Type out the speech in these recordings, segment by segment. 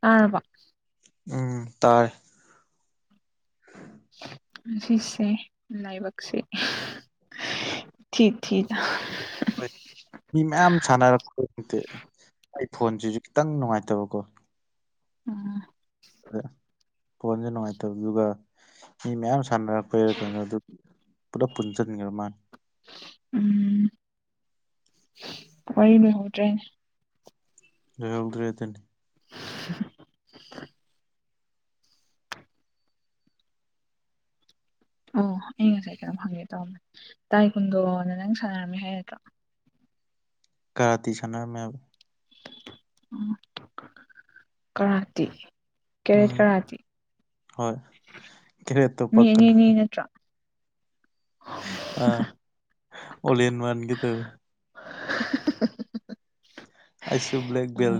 ꯇꯥꯔꯕꯣ ꯎꯝ ꯇꯥꯥꯢ ꯉꯁꯤꯁꯦ ꯂꯥꯏꯕꯛꯁꯦ ꯏꯊꯤ ꯊꯤꯗ ꯍꯣꯏ ꯃꯤ ꯃꯌꯥꯝ ꯁꯥꯟꯅꯔꯛꯄ ꯅꯤꯅꯒꯣ ꯑꯩ ꯐꯣꯟꯖꯤꯖꯨ ꯈꯤꯇꯪ ꯅꯨꯡꯉꯥꯏꯇꯕꯀꯣ ꯎꯝ ꯎꯝ ꯐꯣꯟꯁꯦ ꯅꯨꯡꯉꯥꯏꯇꯕꯗꯨꯒ ꯃꯤ ꯃꯌꯥꯝ ꯁꯥꯟꯅꯔꯛꯄꯩꯔ ꯀꯩꯅꯣ ꯑꯗꯨꯒꯤ ꯄꯨꯔꯞ ꯄꯨꯟꯅ ꯆꯠꯃꯤꯟꯅꯕ ꯃꯥꯜꯂꯦ ꯎꯝ ꯋꯥꯔꯤ ꯂꯣꯏꯍꯧꯗ꯭ꯔꯦꯅꯦ ꯂꯣꯏꯍꯧꯗ꯭ꯔꯦꯗ [inaudible] ꯑꯣ ꯑꯩ ꯉꯁꯥꯏ ꯀꯩꯅꯣꯝ ꯍꯪꯒꯦ ꯇꯧꯔꯝꯕꯅꯦ ꯇꯥꯥꯏ ꯀꯨꯟꯗꯣ ꯅꯪ ꯁꯥꯟꯅꯔꯝꯃꯦ ꯍꯥꯏ ꯅꯠꯇ꯭ꯔꯣ ꯀꯥꯔꯇꯤ ꯁꯥꯟꯅꯔꯝꯃꯦ ꯍꯥꯢꯕꯅꯦ ꯑꯣ ꯀꯥꯔꯇꯤ ꯀꯦꯔꯦꯠ ꯎꯝ ꯀꯔꯥꯇꯤ ꯍꯣꯏ ꯀꯦꯔꯦꯠꯇꯣ ꯃꯤ ꯑꯅꯤ ꯄꯛꯀꯅꯨ ꯑꯅꯤ ꯅꯠꯇ꯭ꯔꯣ ꯑ ꯑꯣꯂꯦꯟ ꯃꯥꯟꯒꯦ ꯇꯧꯋꯤ ꯍ [unintelligible] ꯑꯩꯁꯨ ꯕ꯭ꯂꯦꯛ ꯕꯦꯜ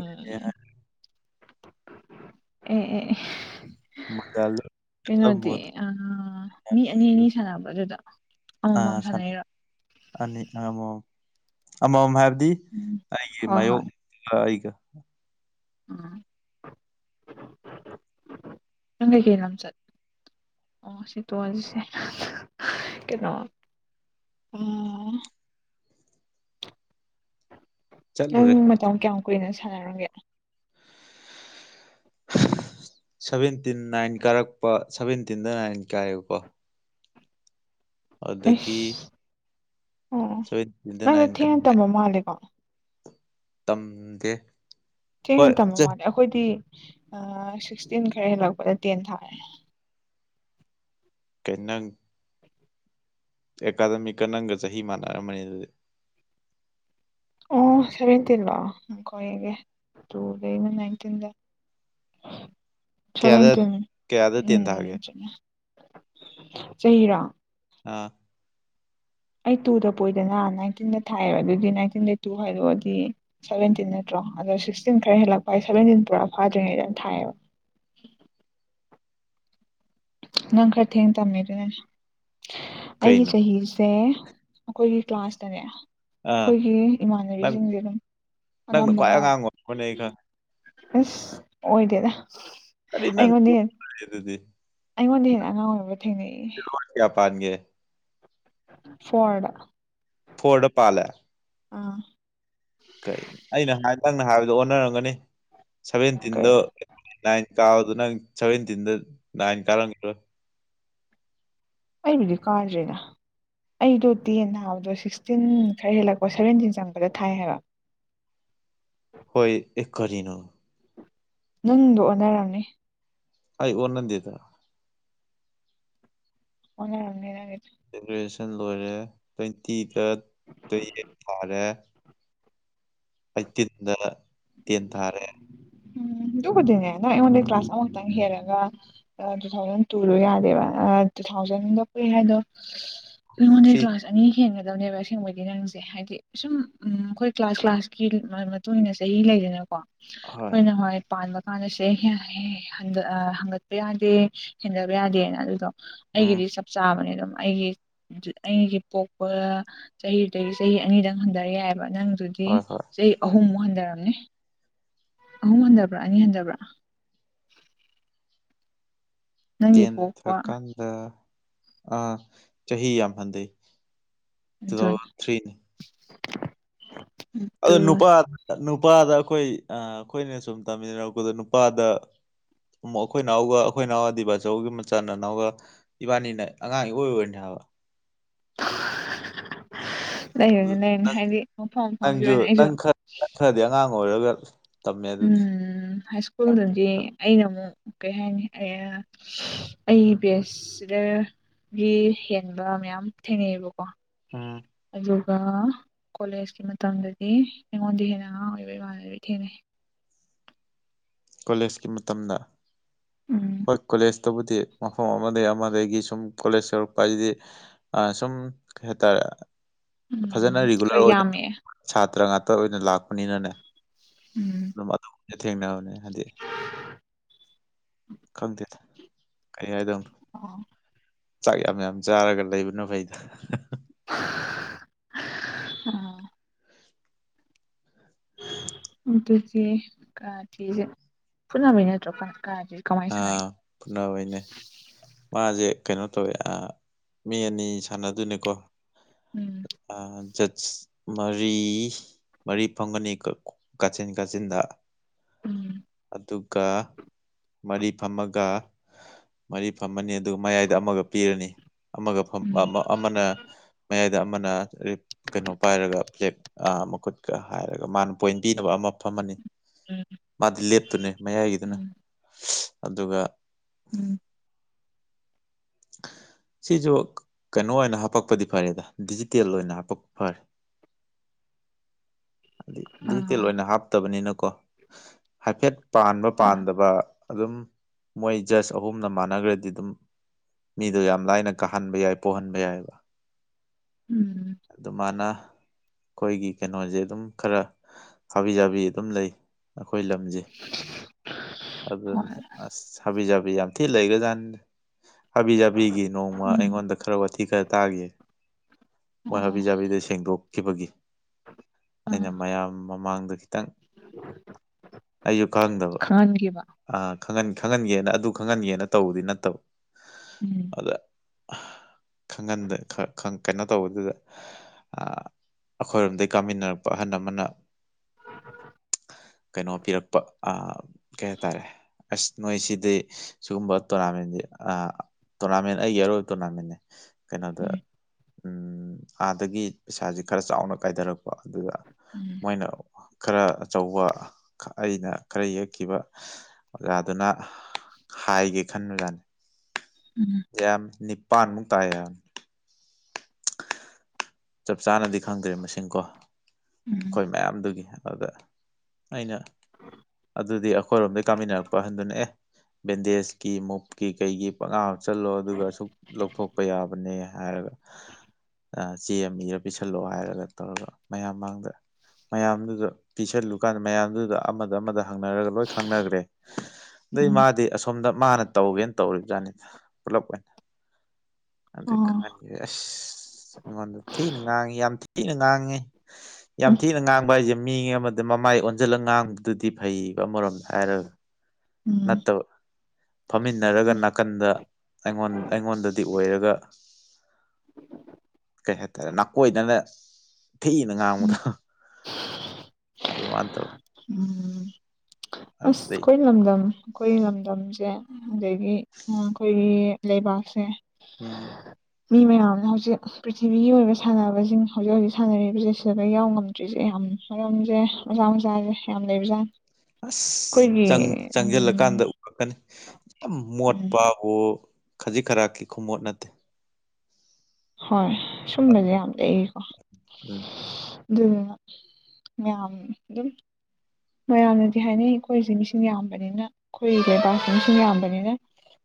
ꯑꯦ ꯑꯦ ꯃꯖꯥꯜꯗꯣ ꯀꯩꯅꯣꯗꯤ ꯂꯝꯕꯣꯠ ꯑꯥ ꯃꯤ ꯑꯅꯤ ꯑꯅꯤ ꯁꯥꯟꯅꯕ꯭ꯔꯥ ꯑꯗꯨꯗꯣ ꯑꯥꯅ ꯑꯅꯤ ꯑꯃꯃꯝ ꯑꯃꯃꯝ ꯍꯥꯏꯕꯗꯤ ꯎꯝ ꯑꯩꯒꯤ ꯍꯣꯏ ꯍꯣꯏ ꯃꯌꯣꯛꯒ ꯑꯩꯒ ꯎꯝ ꯆꯩ ꯀꯦ ꯂꯝꯝ ꯆꯠ [unintelligible] [unintelligible] ꯑꯣ ꯇꯣꯁꯦ [unintelligible] ꯀꯩꯅꯣ ꯑꯣ ꯅꯪ ꯆꯠꯂꯨꯔꯦ ꯃꯇꯝ ꯀꯌꯥꯝ ꯀꯨꯏꯅ ꯁꯥꯟꯅꯔꯝꯒꯦ ꯁꯚꯦꯟꯇꯤꯟ ꯅꯥꯏꯟ ꯀꯥꯔꯛꯄ ꯁꯚꯦꯟꯇꯤꯟꯗ ꯅꯥꯏꯟ ꯀꯥꯏꯑꯦꯕꯀꯣ ꯑꯗꯥꯒꯤ ꯑꯩꯁ ꯑꯣ ꯑꯣ ꯅꯪꯗꯤ ꯅꯥꯏꯟ ꯊꯦꯡꯅ ꯇꯝꯕ ꯃꯥꯜꯂꯦꯀꯣ ꯇꯝꯗꯦ ꯊꯦꯡꯅ ꯍꯣꯏ ꯇꯝꯃ ꯃꯥꯂꯦ ꯑꯩꯈꯣꯏꯗꯤ ꯁꯤꯛꯁꯇꯤꯟ ꯈꯔ ꯍꯦꯜꯂꯛꯄꯗ ꯇꯦꯟ ꯊꯥꯔꯦ ꯀꯩꯅꯣ ꯅꯪ ꯑꯦꯀꯥꯗꯃꯤꯛꯀ ꯅꯪꯒ ꯆꯍꯤ ꯃꯥꯟꯅꯔꯝꯃꯅꯤ ꯑꯗꯨꯗꯤ ꯑꯣ ꯁꯚꯦꯟꯇꯤꯟꯔꯣ [unintelligible] ꯂꯩꯟꯇꯤꯟꯗ ꯎꯝ ꯀꯌꯥꯗ ꯁꯚꯦꯟꯇꯤꯟ ꯀꯌꯥꯗ ꯇꯦꯟ ꯊꯥꯒꯦ ꯎꯝ ꯆꯍꯤꯔꯣ ꯑꯥ ꯑꯩ ꯇꯨꯗ ꯄꯣꯛꯢꯗꯅ ꯅꯥꯏꯟꯇꯤꯟꯗ ꯊꯥꯏꯑꯦꯕ ꯑꯗꯨꯗꯤ ꯅꯥꯏꯟꯇꯤꯟꯗ ꯇꯨ ꯈꯥꯏꯗꯣꯛꯑꯗꯤ ꯁꯚꯦꯟꯇꯤꯟ ꯅꯠꯇ꯭ꯔꯣ ꯑꯗꯣ ꯁꯤꯛꯁꯇꯤꯟ ꯈꯔ ꯍꯦꯜꯂꯛꯄ ꯍꯥꯏ ꯁꯦꯚꯦꯟꯇꯤꯟ ꯄꯨꯔꯥ ꯐꯥꯗ꯭ꯔꯤꯉꯩꯗ ꯊꯥꯏꯌꯦꯕ ꯅꯪ ꯈꯔ ꯊꯦꯡꯅ ꯇꯝꯃꯦ ꯑꯗꯨꯢꯅꯦ ꯑꯩꯒꯤ ꯀꯩꯅꯣ ꯆꯍꯤꯁꯦ ꯑꯩꯈꯣꯏꯒꯤ ꯀ꯭ꯂꯥꯁꯇꯅꯦ ꯑꯥ ꯑꯩꯈꯣꯏꯒꯤ ꯅꯪ ꯏꯃꯥꯟꯅꯕꯤꯁꯤꯡꯁꯦ ꯑꯗꯨꯝ ꯅꯪꯅ ꯈ꯭ꯋꯥꯏ ꯑꯅꯝꯕꯅ ꯑꯉꯥꯡ ꯑꯣꯏꯔꯝꯃꯅꯤ ꯑꯩ ꯈꯪꯉꯦ ꯑꯁ ꯑꯣꯏꯗꯦꯗ ꯀꯔꯤ ꯅꯪ ꯑꯗꯨꯗꯤ ꯑꯩꯉꯣꯟꯗꯩ ꯍꯦꯟꯅ ꯑꯉꯥꯡ ꯑꯣꯏꯕ ꯊꯦꯡꯅꯩ ꯂꯣꯟ ꯀꯌꯥ ꯄꯥꯟꯒꯦ ꯐꯣꯔꯗꯥ ꯐꯣꯔꯗꯥ ꯄꯥꯜꯦ ꯑꯥ ꯀꯩ ꯑꯩꯅ ꯍꯥꯏ ꯅꯪꯅ ꯍꯥꯏꯕꯗꯣ ꯑꯣꯟꯅꯔꯝꯒꯅꯤ ꯀꯩ ꯁꯚꯦꯟꯇꯤꯟꯗꯣ ꯅꯥꯏꯟ ꯀꯥꯕꯗ ꯅꯪ ꯁꯚ‌ꯦꯟꯇꯤꯟꯗ‌ꯣ ꯅꯥꯏꯟ ꯀꯥꯔꯝ ꯒꯤꯔ‌ꯣꯏ ꯑꯩꯕꯨꯗꯤ ꯀꯥꯗ꯭ꯔꯦꯅ ꯑꯩꯗꯣ ꯇ‌ꯦꯟ ꯊꯥꯕꯗꯣ ꯁꯤꯛꯁꯇꯤꯟ ꯈꯔ ꯍꯦꯜꯂꯛꯄ ꯁꯚꯦꯟꯇꯤꯟ ꯆꯉꯛꯄꯗ ꯊꯥꯏ ꯍꯥꯏꯕ ꯍꯣꯏ ꯑꯦ ꯀꯔꯤꯅꯣ ꯅꯪꯗꯣ ꯑꯣꯟꯅꯔꯝꯅꯤ ꯑꯩ ꯑꯣꯅꯗ‌ꯦ ꯗꯥ ꯑꯣꯅꯔꯝꯅꯤ ꯅꯪꯒꯤꯗ‌ꯣ ꯒ꯭ꯔꯦꯖꯨꯋ‌ꯦꯁꯟ ꯂꯣꯏꯔꯦ ꯇ꯭ꯋꯦꯟꯇꯤꯗ ꯇꯨꯋ‌ꯦꯞ ꯊꯥꯔꯦ ꯑꯩ ꯇꯤꯟꯗ ꯇꯦꯟ ꯊꯥꯔꯦ ꯎꯝ ꯗꯨꯕꯨꯗꯤ ꯅ‌ꯦ ꯅꯪ ꯑꯩꯉꯣꯟꯗꯩ ꯀ꯭ꯂꯥꯁ ꯑꯃꯥ ꯈꯛꯇꯪ ꯍꯦꯜꯂꯒ ꯇꯨ ꯊꯥꯎꯖꯟ ꯇꯨꯗꯣ ꯌꯥꯗꯦꯕ ꯇꯨ ꯊꯥꯎꯖꯟꯗ ꯀꯨꯏ ꯍꯥꯏꯗꯣ ꯑꯩꯉ‌ꯣꯟ ꯗꯩ ꯊ꯭ꯔꯤ ꯀ꯭ꯂꯥꯁ ꯑꯅꯤ ꯍꯦꯟꯒꯗꯕꯅꯦꯕ ꯑꯁꯦꯡꯕꯩꯗꯤ ꯅꯪꯁꯦ ꯍꯥꯏꯗꯤ ꯁꯨꯝ ꯎꯝ ꯑꯩꯈꯣꯏ ꯀ꯭ꯂꯥꯁ ꯀ꯭ꯂꯥꯁꯀꯤ ꯃꯇꯨꯡ ꯏꯟꯅ ꯆꯍꯤ ꯂꯩꯗꯅꯀꯣ ꯍꯣꯏ ꯑꯈꯣꯏ ꯅꯍꯋꯥꯏ ꯄꯥꯟꯕ ꯀꯥꯟꯗ [unintelligible] ꯍꯡꯒꯠꯄ ꯌꯥꯗꯦ ꯆꯤꯡꯗꯕ ꯌꯥꯗꯦꯅ ꯑꯗꯨꯗꯣ ꯎꯝ ꯑꯩꯒꯤꯗꯤ ꯆꯞ ꯆꯥꯕꯅꯦ ꯑꯗꯨꯝ ꯑꯩꯒꯤ ꯑꯩꯒꯤ ꯄꯣꯛꯄ ꯆꯍꯤꯗꯨꯗꯒꯤ ꯆꯍꯤ ꯑꯅꯤꯗꯪ ꯍꯟꯗꯔ ꯌꯥꯏꯌ‌ꯦꯕ ꯅꯪꯗꯨ ꯗꯤ ꯍꯣꯏ ꯍꯣꯏ ꯆꯍꯤ ꯑꯍꯨꯝꯃꯨꯛ ꯍꯟꯗꯔꯝꯅꯤ ꯑꯍꯨꯝ ꯍꯟꯗꯕ꯭ꯔꯥ ꯑꯅꯤ ꯍꯟꯗꯕ꯭ꯔꯥ ꯅꯪꯒꯤ ꯄꯣꯛꯄ ꯑ ꯑ ꯆꯍꯤ ꯌꯥꯝ ꯍꯟꯗꯩ ꯇꯨ ꯑꯗꯨꯅꯤ ꯊꯥꯎꯖꯟ ꯊ꯭ꯔꯤꯅꯤ ꯑꯗ ꯑꯗꯨ ꯅꯨꯄꯥ ꯅꯨꯄꯥꯗ ꯑꯩꯈꯣꯏ ꯑꯥ ꯑꯩꯈꯣꯏꯅ ꯁꯨꯝ ꯇꯝꯃꯤꯟ ꯅꯔꯛꯄꯗ ꯅꯨꯄꯥꯗ ꯑꯃꯨꯛ ꯑꯈꯣꯏ ꯅꯥꯎꯒ ꯑꯈꯣꯏ ꯏꯅꯥꯎ ꯑꯗꯤ ꯕꯥꯆꯧꯒꯤ ꯃꯆꯥ ꯅꯅꯥꯎꯒ ꯏꯕꯥꯅꯤꯅ ꯑꯉꯥꯡ ꯏꯑꯣꯏ ꯑ‌ꯣꯏꯔꯤꯅꯦ ꯍꯥꯏꯕ ꯑꯗꯨ ꯂꯩꯔꯅꯤ ꯂꯩꯔꯅꯤ ꯍꯥꯏꯗꯤ ꯃꯐꯝ ꯃꯐꯝꯒꯤ ꯑꯣꯏꯅ ꯑꯩꯖꯨ ꯅꯠꯇ꯭ꯔꯗꯤ ꯑꯉꯥꯡ ꯑꯣꯏꯔꯒ ꯇꯝꯃꯦ ꯑꯗꯨꯗꯤ ꯎꯝ ꯍꯥꯏꯁ ꯀꯨꯜꯗꯗꯤ ꯑꯩꯅ ꯑꯃꯨꯛ ꯀꯩ ꯍꯥꯏꯅꯤ ꯑꯩ ꯕꯦꯁ ꯁꯤꯗꯒꯤ ꯍꯦꯟꯕ ꯃꯌꯥꯝ ꯊꯦꯡꯅꯩꯌꯦꯕꯀꯣ ꯎꯝ ꯑꯗꯨ ꯒ ꯀꯣꯂꯦꯖꯀꯤ ꯃꯇꯝꯗꯗꯤ ꯑꯩꯉꯣꯟꯗꯩ ꯍꯦꯟꯅ ꯑꯉꯥꯡ ꯑꯣꯏꯕ ꯏꯃꯥꯟꯅꯕꯤ ꯊꯦꯡꯅꯩ ꯀꯣꯂꯦꯖꯀꯤ ꯃꯇꯝꯗ ꯎꯝ ꯍꯣꯏ ꯀꯣꯂꯦꯖ ꯇꯧꯕꯨꯗꯤ ꯃꯐꯝ ꯑꯃꯗꯒꯤ ꯑꯃꯗꯒꯤ ꯁꯨꯝ ꯀꯣꯂꯦꯖ ꯌꯧꯔꯛꯄ ꯍꯥꯏꯁꯤꯗꯤ ꯑ ꯁꯨꯝ ꯀꯩ ꯍꯥꯏꯇꯥꯔ‌ꯦ ꯐꯖꯅ ꯎꯝ ꯔꯤꯒꯨꯂꯔ ꯈꯔ ꯑꯣꯏꯅ ꯌꯥꯝꯃꯛꯑꯦ ꯁꯥꯇ꯭ꯔ ꯉꯥꯛꯇ ꯑꯣꯏꯅ ꯂꯥꯛꯄꯅꯤꯅꯅꯦ ꯎꯝ ꯃꯅꯨꯡ ꯗꯥ ꯊꯦꯡꯅꯕꯗꯨꯅꯗꯤ ꯈꯪꯗꯦꯗ ꯀꯩ ꯍꯥꯏꯗꯧꯅꯣ ꯑꯣ ꯆꯥꯛ ꯌꯥꯝ ꯌꯥꯝ ꯆꯥꯔꯒ ꯂꯩꯕꯅ ꯐꯩꯗ ꯑꯣ ꯑꯗꯨꯗꯤ ꯀꯔꯥꯇꯤꯖ‌ꯦ ꯐꯨꯅꯕꯩ ꯅꯠꯇ꯭ꯔ‌ꯣ ꯀꯥ ꯀꯔꯥꯇꯤ ꯀꯃꯥꯏ ꯁꯥꯟꯅꯩ ꯑꯥ ꯐꯨꯅꯕꯩꯅꯦ ꯃꯥꯁꯦ ꯀꯩꯅꯣ ꯇꯧꯋꯦ ꯃꯤ ꯑꯅꯤ ꯁꯥꯟꯅꯗꯣꯏꯅꯤꯀꯣ ꯎꯝ ꯑꯥ ꯖꯥꯁꯆ ꯃꯔꯤ ꯃꯔꯤ ꯐꯪꯒꯅꯤ ꯀꯥꯆꯤꯟ ꯀꯥꯆꯤꯟꯗ ꯎꯝ ꯑꯗꯨꯒ ꯃꯔꯤ ꯐꯝꯃꯒ ꯃꯔꯤ ꯐꯝꯃꯅꯤ ꯑꯗꯨꯒ ꯃꯌꯥꯏꯗ ꯑꯃꯒ ꯄꯤꯔꯅꯤ ꯑꯃꯒ ꯎꯝ ꯑꯃꯅ ꯃꯌꯥꯏꯗ ꯑꯃꯅ ꯀꯩꯅꯣ ꯄꯥꯏꯔꯒ ꯐ꯭ꯂꯦꯛ ꯃꯈꯨꯠꯀ ꯍꯥꯏꯔꯒ ꯃꯥꯅ ꯄꯣꯏꯟ ꯄꯤꯅꯕ ꯑꯃ ꯐꯝꯃꯅꯤ ꯎꯝ ꯃꯥꯗꯤ ꯂꯦꯞꯇꯨꯢꯅꯦ ꯃꯌꯥꯏꯒꯤꯗꯨꯅ ꯎꯝ ꯑꯗꯨꯒ ꯎꯝ ꯁꯤꯁꯨ ꯀꯩꯅꯣ ꯑꯣꯏꯅ ꯍꯥꯄꯛꯄꯗꯤ ꯐꯔꯦꯗ ꯗꯤꯖꯤꯇꯦꯜ ꯑꯣꯏꯅ ꯍꯥꯄꯛꯄ ꯐꯔꯦ ꯍꯥꯏꯗꯤ ꯗꯤꯖꯤꯇꯦꯜ ꯑꯥ ꯑꯣꯏꯅ ꯍꯥꯞꯇꯕꯅꯤꯅꯀꯣ ꯍꯥꯏꯐꯦꯠ ꯄꯥꯟꯕ ꯍꯣꯏ ꯄꯥꯟꯗꯕ ꯑꯗꯨꯝ ꯃꯣꯏ ꯖꯁ ꯑꯍꯨꯝꯅ ꯃꯥꯟꯅꯈ꯭ꯔꯗꯤ ꯑꯗꯨꯝ ꯃꯤꯗꯣ ꯌꯥꯝ ꯂꯥꯏꯅ ꯀꯥꯍꯟꯕ ꯌꯥꯏ ꯄꯣꯛꯍꯟꯕ ꯌꯥꯏꯑꯦꯕ ꯎꯝ ꯑꯗꯨꯃꯥꯏꯅ ꯑꯩꯈꯣꯏꯒꯤ ꯀꯩꯅꯣꯁꯦ ꯑꯗꯨꯝ ꯈꯔ ꯍꯥꯕꯤ ꯆꯥꯕꯤ ꯑꯗꯨꯝ ꯂꯩ ꯑꯩꯈꯣꯏ ꯂꯝꯁꯦ ꯍꯣꯏ ꯑꯗꯨꯅ ꯑꯁ ꯍꯥꯕꯤ ꯆꯥꯕꯤ ꯌꯥꯝ ꯊꯤ ꯂꯩꯈ꯭ꯔꯥꯖꯥꯠꯅꯤ ꯍꯥꯕꯤꯖꯥꯕꯤꯒꯤ ꯅꯣꯡꯃ ꯎꯝ ꯑꯩꯉꯣꯟꯗ ꯈꯔ ꯋꯥꯊꯤ ꯈꯔ ꯇꯥꯈꯤꯌꯦ ꯃꯣꯏ ꯑꯣ ꯍꯥꯕꯤ ꯆꯥꯕꯤꯗ ꯁꯦꯡꯗꯣꯛꯈꯤꯕꯒꯤ ꯎꯝ ꯑꯩꯅ ꯃꯌꯥꯝ ꯃꯃꯥꯡꯗ ꯈꯤꯇꯪ ꯑꯩꯁꯨ ꯈꯪꯗꯕ ꯈꯪꯍꯟꯈꯤꯕ ꯑ ꯈꯪꯍꯥꯟ ꯈꯪꯍꯟꯒꯦꯅ ꯑꯗꯨ ꯈꯪꯍꯟꯒꯦꯅ ꯇꯧꯕꯗꯤ ꯅꯠꯇꯕ ꯎꯝ ꯑꯗ ꯈꯪꯍꯟꯗ ꯀꯩꯅꯣ ꯇꯧꯕꯗꯨꯗ ꯑꯩꯈꯣꯏꯔꯣꯝꯗꯒꯤ ꯀꯥꯃꯤꯟꯅꯔꯛꯄ ꯑꯍꯜ ꯑꯃꯅ ꯀꯩꯅꯣ ꯄꯤꯔꯛꯄ ꯀꯩ ꯍꯥꯏꯇꯥꯔꯦ ꯑꯁ ꯅꯣꯏꯁꯤꯗꯤ ꯁꯤꯒꯨꯝꯕ ꯇꯣꯔꯅꯥꯃꯦꯟꯁꯦ ꯑꯥ ꯇꯣꯔꯅꯥꯃꯦꯟ ꯑꯩ ꯑꯔꯣꯏꯕ ꯇꯣꯔꯅꯥꯃꯦꯟ ꯀꯩꯅꯣꯗ ꯎꯝ ꯑꯥꯗꯒꯤ ꯄꯩꯁꯥꯁꯦ ꯈꯔ ꯆꯥꯎꯅ ꯀꯥꯏꯊꯔꯛꯄ ꯑꯗꯨꯗ ꯎꯝ ꯃꯣꯏꯅ ꯈꯔ ꯑꯆꯧꯕ ꯑꯩꯅ ꯈꯔ ꯌꯦꯛꯈꯤꯕ ꯑꯣꯖꯥꯗꯨꯅ ꯍꯥꯏꯒꯦ ꯈꯟꯕꯖꯠꯅꯤ ꯎꯝ ꯌꯥꯝ ꯅꯤꯄꯥꯟꯃꯨꯛ ꯇꯥꯢ ꯍꯥꯢꯕꯅꯦ ꯆꯞ ꯆꯥꯅꯗꯤ ꯈꯪꯗ꯭ꯔꯦ ꯃꯁꯤꯡꯀꯣ ꯎꯝ ꯑꯩꯈꯣꯏ ꯃꯌꯥꯝꯗꯨꯒꯤ ꯑꯗꯨꯗ ꯑꯩꯅ ꯑꯗꯨꯗꯤ ꯑꯩꯈꯣꯏꯔꯣꯝꯗꯩ ꯀꯥꯃꯤꯟꯅꯔꯛꯄ ꯑꯍꯟꯗꯨꯅꯦ ꯑꯦ ꯕꯦꯟꯗꯦꯖꯀꯤ ꯃꯣꯞꯀꯤ ꯀꯩꯒꯤ ꯈꯪꯍꯥꯞ ꯍꯥꯞꯆꯜꯂꯣ ꯑꯗꯨꯒ ꯑꯁꯨꯛ ꯂꯧꯊꯣꯛꯄ ꯌꯥꯕꯅꯦ ꯍꯥꯏꯔꯒ ꯆꯦ ꯑꯃ ꯏꯔ ꯄꯤꯁꯜꯂꯛꯑꯣ ꯍꯥꯏꯔꯒ ꯇꯧꯔꯒ ꯃꯌꯥꯝ ꯃꯥꯡꯗ ꯃꯌꯥꯝꯗꯨꯗ ꯄꯤꯁꯜꯂꯨꯀꯥꯟꯗ ꯃꯌꯥꯝꯗꯨꯗ ꯑꯃꯗ ꯑꯃꯗ ꯍꯪꯅꯔꯒ ꯂꯣꯏ ꯈꯪꯅꯈ꯭ꯔꯦ ꯑꯗꯩ ꯎꯝ ꯃꯥꯗꯤ ꯑꯁꯣꯝꯗ ꯃꯥꯅ ꯇꯧꯒꯦꯅ ꯇꯧꯔꯤꯕꯖꯥꯠꯅꯤꯗꯅ ꯄꯨꯂꯞ ꯑꯣꯢꯅ ꯑꯣ ꯑꯩꯉꯣꯟꯗ ꯊꯤꯅ ꯉꯥꯡꯉꯦ ꯌꯥꯝ ꯊꯤꯅ ꯉꯥꯡꯉꯦ ꯌꯥꯝ ꯎꯝ ꯊꯤꯅ ꯉꯥꯡꯕ ꯍꯥꯏꯁꯦ ꯃꯤ ꯑꯃꯗ ꯃꯃꯥꯏ ꯑꯣꯟꯁꯤꯜꯂꯒ ꯉꯥꯡꯕꯗꯨꯗꯤ ꯐꯩꯌꯦꯕ ꯑꯃꯔꯣꯝꯗ ꯍꯥꯏꯔꯒ ꯅꯠꯇꯕ ꯐꯝꯃꯤꯟꯅꯔꯒ ꯎꯝ ꯅꯥꯀꯟꯗ ꯑꯩꯉꯣꯟ ꯑꯩꯉꯣꯟꯗꯗꯤ ꯑꯣꯏꯔꯒ ꯀꯩ ꯍꯥꯏꯇꯥꯔꯦ ꯅꯥꯀꯣꯏꯗꯅ ꯊꯤꯅ ꯉꯥꯡꯕꯗꯣ ꯎꯝ ꯎꯝ [unintelligible] ꯑꯁ ꯑꯩꯈꯣꯏ ꯂꯝꯗꯝ ꯑꯩꯈꯣꯏ ꯂꯝꯗꯝꯁꯦ ꯑꯗꯒꯤ ꯑꯩꯈꯣꯏꯒꯤ ꯂꯩꯕꯥꯛꯁꯦ ꯎꯝ ꯃꯤ ꯃꯌꯥꯝꯅ ꯍꯧꯖꯤꯛ ꯄ꯭ꯔꯤꯊꯤꯕꯤꯒꯤ ꯑꯣꯏꯕ ꯁꯥꯟꯅꯕꯁꯤꯡ ꯍꯧꯖꯤꯛ ꯍꯧꯖꯤꯛ ꯁꯥꯟꯅꯔꯤꯕꯁꯦ ꯁꯤꯗ ꯌꯥꯎ ꯉꯝꯗ꯭ꯔꯤꯁꯦ ꯌꯥꯝꯅ ꯃꯔꯝꯁꯦ ꯃꯁꯥ ꯃꯁꯥꯁꯦ ꯌꯥꯝ ꯂꯩꯕꯖꯥꯠ ꯑꯁꯪ ꯎꯝ ꯆꯪꯁꯤꯜꯂꯀꯥꯟꯗ ꯎꯔꯛꯀꯅꯤ ꯌꯥꯝ ꯎꯝ ꯃꯣꯠꯄꯋ ꯈꯖꯤꯛ ꯈꯔꯀꯤ ꯈꯨꯃꯣꯠ ꯅꯠꯇꯦ ꯍꯣꯏ ꯁꯨꯝꯕꯁꯦ ꯌꯥꯝ ꯂꯩꯏꯀꯣ ꯎꯝ ꯑꯗꯨꯗꯨꯅ ꯃꯥꯌꯥꯝ ꯑꯗꯨꯝ ꯃꯌꯥꯝꯅꯗꯤ ꯍꯥꯏꯅꯩ ꯑꯩꯈꯣꯏꯁꯦ ꯃꯤꯁꯤꯡ ꯌꯥꯝꯕꯅꯤꯅ ꯑꯩꯈꯣꯏ ꯂꯩꯕꯥꯛꯁꯤ ꯃꯤꯁꯤꯡ ꯌꯥꯝꯕꯅꯤꯅ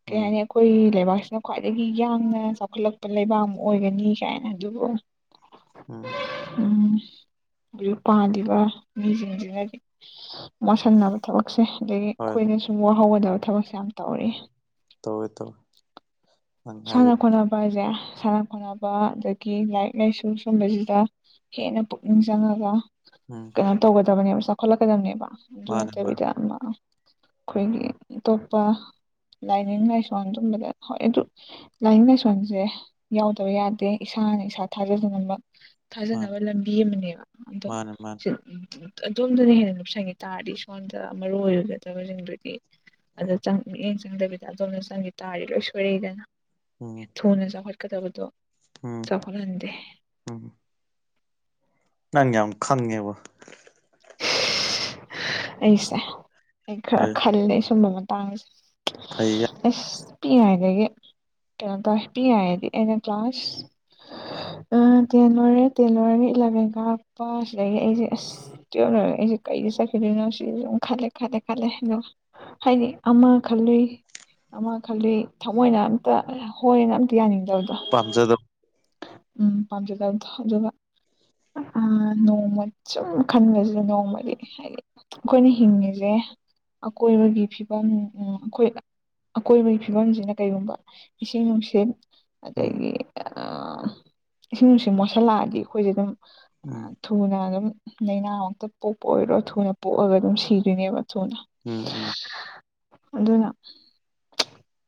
ꯀꯦ ꯎꯝ ꯍꯥꯏꯅꯤ ꯑꯩꯈꯣꯏ ꯂꯩꯕꯥꯛꯁꯤꯅ ꯈ꯭ꯋꯥꯏꯗꯒꯤ ꯌꯥꯡꯅ ꯆꯥꯎꯈꯠꯂꯛꯄ ꯂꯩꯕꯥꯛ ꯑꯃ ꯑꯣꯏꯒꯅꯤ ꯀꯥꯏꯅ ꯑꯗꯨꯕꯨ [inaudible] ꯎꯝ ꯎꯝ ꯍꯧꯖꯤꯛ ꯄꯥꯜꯂꯤꯕ ꯃꯤꯁꯤꯡꯁꯤꯅꯗꯤ ꯃꯣꯠꯁꯟꯅꯕ ꯊꯕꯛꯁꯦ ꯑꯗꯒꯤ ꯍꯣꯏ ꯍꯣꯏ ꯑꯩꯈꯣꯏꯅ ꯁꯨꯝ ꯋꯥꯍꯧꯒꯗꯕ ꯊꯕꯛꯁꯦ ꯌꯥꯝ ꯇꯧꯔꯛꯏ ꯇꯧꯋꯦ ꯇꯧ ꯁꯥꯟꯅ ꯈꯣꯠꯅꯕ ꯍꯥꯏꯖꯦ ꯁꯥꯟꯅ ꯈꯣꯠꯅꯕ ꯑꯗꯒꯤ ꯂꯥꯏꯔꯤꯛ ꯂꯥꯏꯁꯨ ꯁꯨꯝꯕꯁꯤꯗ ꯍꯦꯟꯅ ꯄꯨꯛꯅꯤꯡ ꯆꯪꯉꯒ ꯎꯝ ꯑꯗꯨꯃꯥꯏꯟ ꯇꯧꯒꯗꯕꯅꯦꯕ ꯆꯥꯎꯈꯠꯂꯛꯀꯗꯕꯅꯦꯕ ꯑꯗꯨ ꯃꯥꯅꯦ ꯃꯥꯅꯦ ꯅꯠꯇꯕꯤꯗ ꯑꯃ ꯑꯩꯈꯣꯏꯒꯤ ꯑꯇꯣꯞꯄ ꯂꯥꯏꯅꯤꯡ ꯂꯥꯏꯁꯣꯟ ꯑꯗꯨꯝꯕꯗ ꯍꯣꯏ ꯑꯗꯨ ꯂꯥꯏꯅꯤꯡ ꯂꯥꯏꯁꯣꯟꯁꯦ ꯌꯥꯎꯗꯕ ꯌꯥꯗꯦ ꯏꯁꯥꯅ ꯏꯁꯥ ꯊꯥꯖꯗꯨꯅꯃꯛ ꯃꯥꯅꯦ ꯊꯥꯖꯅꯕ ꯂꯝꯕꯤ ꯑꯃꯅꯦꯕ ꯑꯗꯣ ꯃꯥꯅꯦ ꯃꯥꯅꯦ ꯁꯤ ꯎ ꯑꯗꯣꯝꯗꯅ ꯍꯦꯟꯅ ꯂꯨꯞꯁꯟꯈꯤ ꯇꯥꯔꯗꯤ ꯁꯣꯝꯗ ꯃꯔꯨ ꯑꯣꯏꯒꯗꯕꯁꯤꯡꯗꯨꯗꯤ ꯑꯗꯣ ꯃꯤꯠꯌꯦꯡ ꯆꯪꯗꯕꯤꯗ ꯑꯗꯣꯝꯗꯥ ꯆꯪꯒꯤ ꯇꯥꯔꯗꯤ ꯂꯣꯏ ꯁꯣꯏꯔꯛꯏꯗꯅ ꯎꯝ ꯊꯨꯅ ꯆꯥꯎꯈꯠꯀꯗꯕꯗꯣ ꯎꯝ ꯆꯥꯎꯈꯠꯍꯟꯗꯦ ꯎꯝ ꯅꯪ ꯌꯥꯝ ꯈꯪꯉꯦꯕꯣ ꯑꯩꯁꯦ ꯑꯩ ꯈꯔ ꯍꯣꯏ ꯈꯜꯂꯦ ꯁꯨꯝꯕ ꯃꯇꯥꯡꯁꯦ ꯐꯩꯌꯦ ꯑꯁ ꯄꯤ ꯌꯥꯥꯏꯗꯒꯤ ꯀꯩꯅꯣ ꯇꯧꯋꯦ ꯄꯤꯛꯏꯉꯩ ꯍꯥꯏꯗꯤ ꯑꯩꯅ ꯀ꯭ꯂꯥꯁ ꯑ ꯇꯦꯟ ꯂꯣꯏꯔꯦ ꯇꯦꯟ ꯂꯣꯏꯔꯒ ꯏꯂꯚꯦꯟ ꯀꯥꯔꯛꯄ ꯁꯤꯗꯒꯤ ꯑꯩꯁꯦ ꯑꯁ ꯇꯨꯌꯦꯜ꯭ꯕ ꯂꯣꯏꯔꯥ ꯑꯩꯁꯦ ꯀꯩꯗ ꯆꯠ ꯀꯅꯣ ꯁꯤ ꯑꯗꯨ ꯈꯜꯂꯦ ꯈꯜꯂꯦ ꯈꯜꯂꯦ ꯑꯗꯣ ꯍꯥꯏꯗꯤ ꯑꯃ ꯈꯜꯂꯨꯏ ꯑꯃ ꯈꯜꯂꯤ ꯊꯃꯣꯏꯅ ꯑꯝꯇ ꯍꯣꯏꯅ ꯑꯝꯇ ꯌꯥꯅꯤꯡꯗꯕꯗꯣ ꯄꯥꯝꯖꯗꯕ ꯎꯝ ꯄꯥꯃꯖꯗꯕꯗꯣ ꯑꯗꯨꯒꯥ ꯑ ꯅꯣꯡꯃ ꯁꯨꯝ ꯈꯟꯕꯕꯁꯤꯗꯤ ꯅꯣꯡꯃꯗꯤ ꯍꯥꯏꯗꯤ ꯑꯩꯈꯣꯏꯅ ꯍꯤꯡꯉꯤꯁꯦ ꯑꯀꯣꯏꯕꯒꯤ ꯐꯤꯕꯝ ꯑꯩꯈꯣꯏ ꯑꯀꯣꯏꯕꯒꯤ ꯐꯤꯕꯝꯁꯤꯅ ꯀꯔꯤꯒꯨꯝꯕ ꯏꯁꯤꯡ ꯅꯨꯡꯁꯤꯠ ꯎꯝ ꯑꯗꯒꯤ ꯏꯁꯤꯡ ꯅꯨꯡꯁꯤ ꯃꯣꯠꯁꯤꯜꯂꯛꯑꯗꯤ ꯑꯩꯈꯣꯏꯁꯦ ꯑꯗꯨꯝ ꯎꯝ ꯊꯨꯅ ꯑꯗꯨꯝ ꯂꯩꯅꯥ ꯃꯛꯇ ꯄꯣꯛꯄ ꯑꯣꯏꯔꯣ ꯊꯨꯅ ꯄꯣꯛꯑꯒ ꯑꯗꯨꯝ ꯁꯤꯗꯣꯏꯅꯦꯕ ꯊꯨꯅ ꯎꯝ ꯎꯝ ꯑꯗꯨꯅ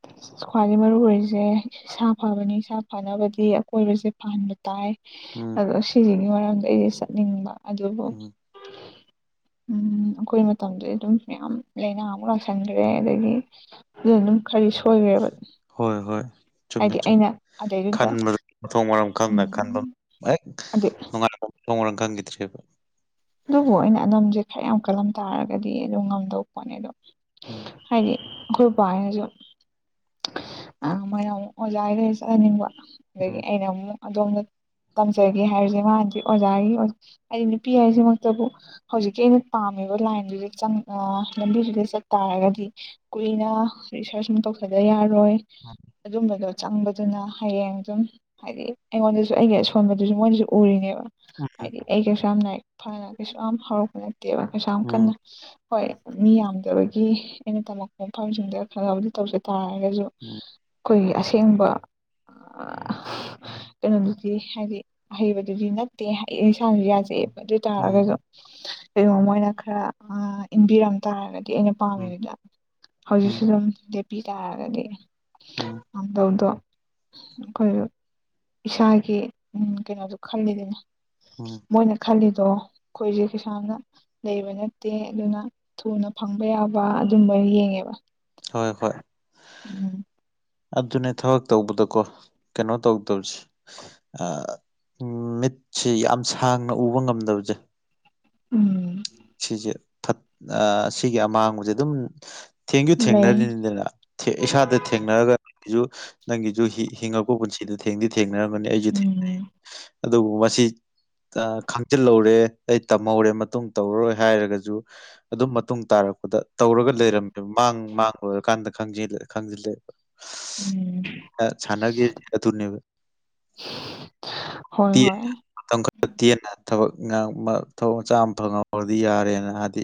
[unintelligible] ꯈ꯭ꯋꯥꯏꯗꯒꯤ ꯃꯔꯨ ꯑꯣꯏꯔꯤꯁꯦ ꯏꯁꯥ ꯐꯕꯅꯤ ꯏꯁꯥ ꯐꯅꯕꯒꯤ ꯑꯀꯣꯏꯕꯁꯦ ꯐꯍꯟꯕ ꯇꯥꯏ ꯎꯝ ꯑꯗꯣ ꯁꯤꯁꯤꯒꯤ ꯃꯔꯝꯗ ꯑꯩꯁꯦ ꯆꯠꯅꯤꯡꯕ ꯑꯗꯨꯕꯨ ꯎꯝ ꯎꯝ ꯑꯩꯈꯣꯏ ꯃꯇꯝꯗꯗꯤ ꯑꯗꯨꯝ ꯃꯌꯥꯝ ꯂꯥꯏꯅꯥ ꯑꯃꯨꯛ ꯂꯥꯛꯁꯟꯈ꯭ꯔꯦ ꯑꯗꯒꯤ ꯑꯗꯨꯗ ꯑꯗꯨꯝ ꯈꯔꯗꯤ ꯁꯣꯏꯈ꯭ꯔꯦꯕ ꯍꯣꯏ ꯍꯣꯏ ꯆꯨꯝꯃꯦ ꯍꯥꯏꯗꯤ ꯆꯨꯝꯃꯦ ꯑꯩꯅ ꯑꯗꯩꯗꯨꯗ ꯈꯟꯕꯗ ꯃꯊꯣꯡ ꯃꯔꯝ ꯈꯪꯅ ꯈꯟꯕ ꯎꯝ ꯍꯦꯛ ꯑꯗꯩ ꯅꯨꯡꯉꯥꯏꯕ ꯃꯊꯣꯡ ꯃꯔꯝ ꯈꯪꯈꯤꯗ꯭ꯔꯦꯕ ꯑꯗꯨꯕꯨ ꯑꯩꯅ ꯑꯅꯥꯝꯁꯦ ꯈꯔ ꯌꯥꯝ ꯀꯜꯂꯝ ꯇꯥꯔꯒꯗꯤ ꯑꯗꯨꯝ ꯉꯝꯗꯧꯕ ꯄꯣꯠꯅꯦ ꯑꯗꯣ ꯎꯝ ꯍꯥꯏꯗꯤ ꯑꯩꯈꯣꯏ ꯕꯅꯥꯁꯨ ꯑ ꯃꯣꯏꯅꯥ ꯑꯃꯨꯛ ꯑꯣꯖꯥꯒꯤꯗ ꯆꯠꯍꯟꯅꯤꯡꯕ ꯑꯗꯒꯤ ꯎꯝ ꯑꯩꯅ ꯑꯃꯨꯛ ꯑꯗꯣꯝꯗ ꯇꯝꯖꯒꯦ ꯍꯥꯏꯔꯤꯁꯦ ꯃꯥꯥꯟꯗꯤ ꯑꯣꯖꯥꯒꯤ ꯍꯥꯏꯗꯤ ꯅꯨꯄꯤ ꯍꯥꯏ ꯍꯧꯃꯛꯇꯕꯨ ꯍꯧꯖꯤꯛꯀꯤ ꯑꯩꯅ ꯄꯥꯝꯃꯤꯕ ꯂꯥꯏꯟꯗꯨꯗ ꯑ ꯂꯝꯕꯤꯗꯨꯗ ꯆꯠꯇꯥꯥꯔꯒꯗꯤ ꯀꯨꯏꯅ ꯔꯤꯁꯔꯁ ꯑꯃ ꯇꯧꯊꯗꯥ ꯌꯥꯔꯣꯏ [unintelligible] ꯑꯗꯨꯝꯕꯗꯣ ꯆꯪꯕꯗꯨꯅ ꯍꯌꯦꯡ ꯑꯗꯨꯝ ꯍꯥꯏꯗꯤ ꯑꯩꯉꯣꯟꯗꯁꯨ ꯑꯩꯒꯤ ꯑꯁꯣꯟꯕꯗꯨꯁꯨ ꯃꯣꯏꯅꯥꯁꯨ ꯎꯔꯤꯅꯦꯕ ꯎꯝ ꯍꯥꯏꯗꯤ ꯑꯩ ꯀꯩꯁꯨ ꯌꯥꯝ ꯂꯥꯏꯔꯤꯛ ꯐꯅ ꯀꯩꯁꯨ ꯌꯥꯝ ꯍꯧꯔꯛꯄ ꯅꯠꯇꯦꯕ ꯀꯩꯁꯨ ꯌꯥꯝ ꯀꯟꯅ ꯎꯝ ꯍꯣꯏ ꯃꯤ ꯌꯥꯝꯗꯕꯒꯤ ꯑꯩꯅ ꯇꯝꯂꯛꯄ ꯃꯐꯝꯁꯤꯡꯗ ꯈꯔꯕꯨꯗꯤ ꯇꯧꯖꯦ ꯑꯗꯣꯏꯇꯥꯔꯒꯁꯨ ꯎꯝ ꯑꯩꯈꯣꯏꯒꯤ ꯑꯁꯦꯡꯕ ꯀꯩꯅꯣꯗꯨꯗꯤ ꯍꯥꯏꯗꯤ ꯍꯩꯕꯗꯨꯗꯤ ꯅꯠꯇꯦ ꯑꯩ ꯏꯁ ꯏꯁꯥꯅꯁꯨ ꯌꯥꯖꯩꯑ ꯑꯗꯨ ꯑꯣꯏ ꯇꯥꯔꯒꯁꯨ ꯀꯩꯅꯣ ꯃꯣꯏꯅ ꯈꯔ ꯏꯟꯕꯤꯔꯝ ꯇꯥꯔꯒꯗꯤ ꯑꯩꯅ ꯎꯝ ꯄꯥꯝꯃꯤꯗꯨꯗ ꯍꯧꯖꯤꯛꯁꯨ ꯎꯝ ꯑꯗꯨꯝ ꯂꯦꯞꯄꯤ ꯇꯥꯔꯒꯗꯤ ꯎꯝ ꯉꯝꯗꯧꯗꯣ ꯑꯩꯈꯣꯏ ꯏꯁꯥꯒꯤ ꯎꯝ ꯀꯩꯅꯣꯁꯨ ꯈꯜꯂꯤꯗꯨꯅꯦ ꯎꯝ ꯃꯣꯏꯅ ꯈꯜꯂꯤꯗꯣ ꯑꯩꯈꯣꯏꯁꯦ ꯀꯩꯁꯨ ꯌꯥꯝꯅꯥ ꯂꯩꯕ ꯅꯠꯇꯦ ꯑꯗꯨꯅ ꯊꯨꯅ ꯐꯪꯕ ꯌꯥꯕ ꯑꯗꯨꯝꯕ ꯌꯦꯡꯉꯦꯕ ꯍꯣꯏ ꯍꯣꯏ ꯎꯝ ꯑꯗꯨꯅꯦ ꯊꯕꯛ ꯇꯧꯕꯗꯀꯣ ꯀꯩꯅꯣ ꯇꯧꯗꯧꯁꯦ ꯃꯤꯠꯁꯤ ꯌꯥꯝ ꯁꯥꯡꯅ ꯎꯕ ꯉꯝꯗꯕꯁꯦ ꯎꯝ ꯁꯤꯁꯦ ꯁꯤꯒꯤ ꯑꯃꯥꯡꯕꯁꯦ ꯑꯗꯨꯝ ꯊꯦꯡꯁꯨ ꯂꯩ ꯊꯦꯡꯅꯔꯤꯅꯤꯗꯅ ꯏꯁꯥꯗ ꯊꯦꯡꯅꯔꯒ ꯅꯪꯒꯤꯁꯨ ꯅꯪꯒꯤꯁꯨ ꯍꯤꯡꯉꯛꯄ ꯄꯨꯟꯁꯤꯗ ꯊꯦꯡꯗꯤ ꯊꯦꯡꯅꯔꯝꯒꯅꯤ ꯑꯩꯁꯨ ꯊꯦꯡꯅꯩ ꯎꯝ ꯑꯗꯨꯕꯨ ꯃꯁꯤ ꯈꯪꯖꯤꯜꯍꯧꯔꯦ ꯑꯩ ꯇꯝꯍꯧꯔꯦ ꯃꯇꯨꯡ ꯇꯧꯔꯔꯣꯏ ꯍꯥꯏꯔꯒꯁꯨ ꯑꯗꯨꯝ ꯃꯇꯨꯡ ꯇꯥꯔꯛꯄꯗ ꯇꯧꯔꯒ ꯂꯩꯔꯝꯃꯦꯕ ꯃꯥꯡ ꯃꯥꯡ ꯂꯣꯏꯔꯀꯥꯟꯗ ꯈꯪꯖꯤꯜꯂꯛꯑꯦ ꯎꯝ ꯁꯟꯅꯒꯤꯕꯥ ꯑꯗꯨꯅꯦꯕꯥ ꯍꯣꯏ ꯇꯦꯟ ꯍꯣꯏ ꯃꯇꯝ ꯇꯦꯟꯅ ꯊꯕꯛ ꯊꯕꯛ ꯃꯆꯥ ꯑꯃ ꯐꯪꯍꯧ ꯇꯧꯔꯗꯤ ꯌꯥꯔꯦꯅ ꯍꯥꯏꯗꯤ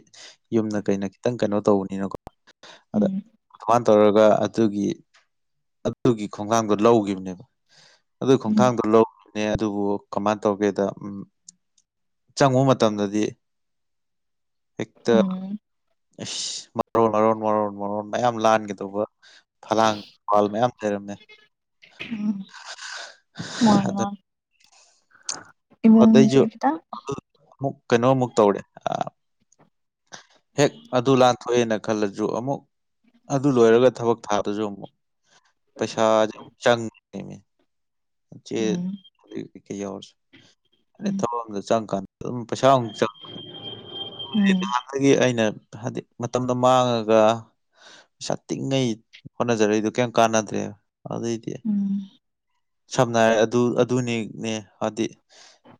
ꯌꯨꯝꯅ ꯀꯩꯅ ꯈꯤꯇꯪ ꯀꯩꯅꯣ ꯇꯧꯕꯅꯤꯅꯀꯣ ꯑꯗ ꯎꯝ ꯁꯃꯥꯏꯅ ꯇꯧꯔꯒ ꯑꯗꯨꯒꯤ ꯑꯗꯨꯒꯤ ꯈꯣꯡꯊꯥꯡꯗꯣ ꯂꯧꯈꯤꯕꯅꯦꯕ ꯑꯗꯨ ꯎꯝ ꯈꯣꯡꯊꯥꯡꯗꯨꯣ ꯂꯧ ꯑꯗꯨꯕꯨ ꯀꯃꯥꯏꯅ ꯇꯧꯒꯦꯗ ꯎ ꯆꯪꯉꯨ ꯃꯇꯝꯗꯗꯤ ꯍꯦꯛꯇ ꯎꯝ ꯏꯁꯁ ꯃꯔꯣꯟ ꯃꯔꯣꯟ ꯃꯔꯣꯟ ꯃꯔꯣꯟ ꯃꯌꯥꯝ ꯂꯥꯟꯒꯗꯧꯕ ꯐꯂꯥꯡ ꯄꯜ ꯃꯌꯥꯝ ꯂꯩꯩꯔꯝꯃꯦ ꯎꯝ ꯃꯥꯅꯤ ꯃꯥꯅꯤ ꯑꯗꯨ ꯑꯇꯩꯁꯨ ꯏꯃꯨꯡꯁꯦ ꯈꯤꯇꯪ ꯑꯃꯨꯛ ꯀꯩꯅꯣꯃꯨꯛ ꯇꯧꯔꯦ ꯍꯦꯛ ꯑꯗꯨ ꯂꯥꯟꯊꯣꯛꯑꯦꯅ ꯈꯜꯂꯁꯨ ꯑꯃꯨꯛ ꯑꯗꯨ ꯂꯣꯏꯔꯒ ꯊꯕꯛ ꯊꯥꯕꯥꯁꯨ ꯑꯃꯨꯛ ꯄꯩꯁꯥ ꯁꯦ ꯑꯃꯨꯛ ꯆꯪꯉꯤꯅꯤꯅꯦ ꯆꯦ ꯎꯝ ꯑꯗꯨ ꯀꯩꯀꯩ ꯌꯥꯎꯔꯁꯨ ꯑ ꯎꯝ ꯊꯕꯛ ꯑꯃꯗ ꯆꯪꯉꯀꯥꯟꯗ ꯑꯗꯨꯝ ꯄꯩꯁꯥ ꯑꯃꯨꯛ ꯆꯪ ꯍꯥꯏꯗꯤ ꯎꯝ ꯅꯍꯥꯟꯗꯒꯤ ꯑꯩꯅ ꯍꯥꯏꯗꯤ ꯃꯇꯝꯗꯣ ꯃꯥꯡꯉꯒ ꯄꯩꯁꯥ ꯇꯤꯡꯉꯩ ꯍꯣꯠꯅꯖꯔꯛꯏꯗꯣ ꯀꯩꯝ ꯀꯥꯟꯅꯗ꯭ꯔꯦꯕ ꯑꯗꯨꯏꯗꯤ ꯎꯝ ꯁꯝꯅ ꯍꯥꯏꯔ ꯑꯗꯨ ꯑꯗꯨꯅꯤꯅꯦ ꯍꯥꯏꯗꯤ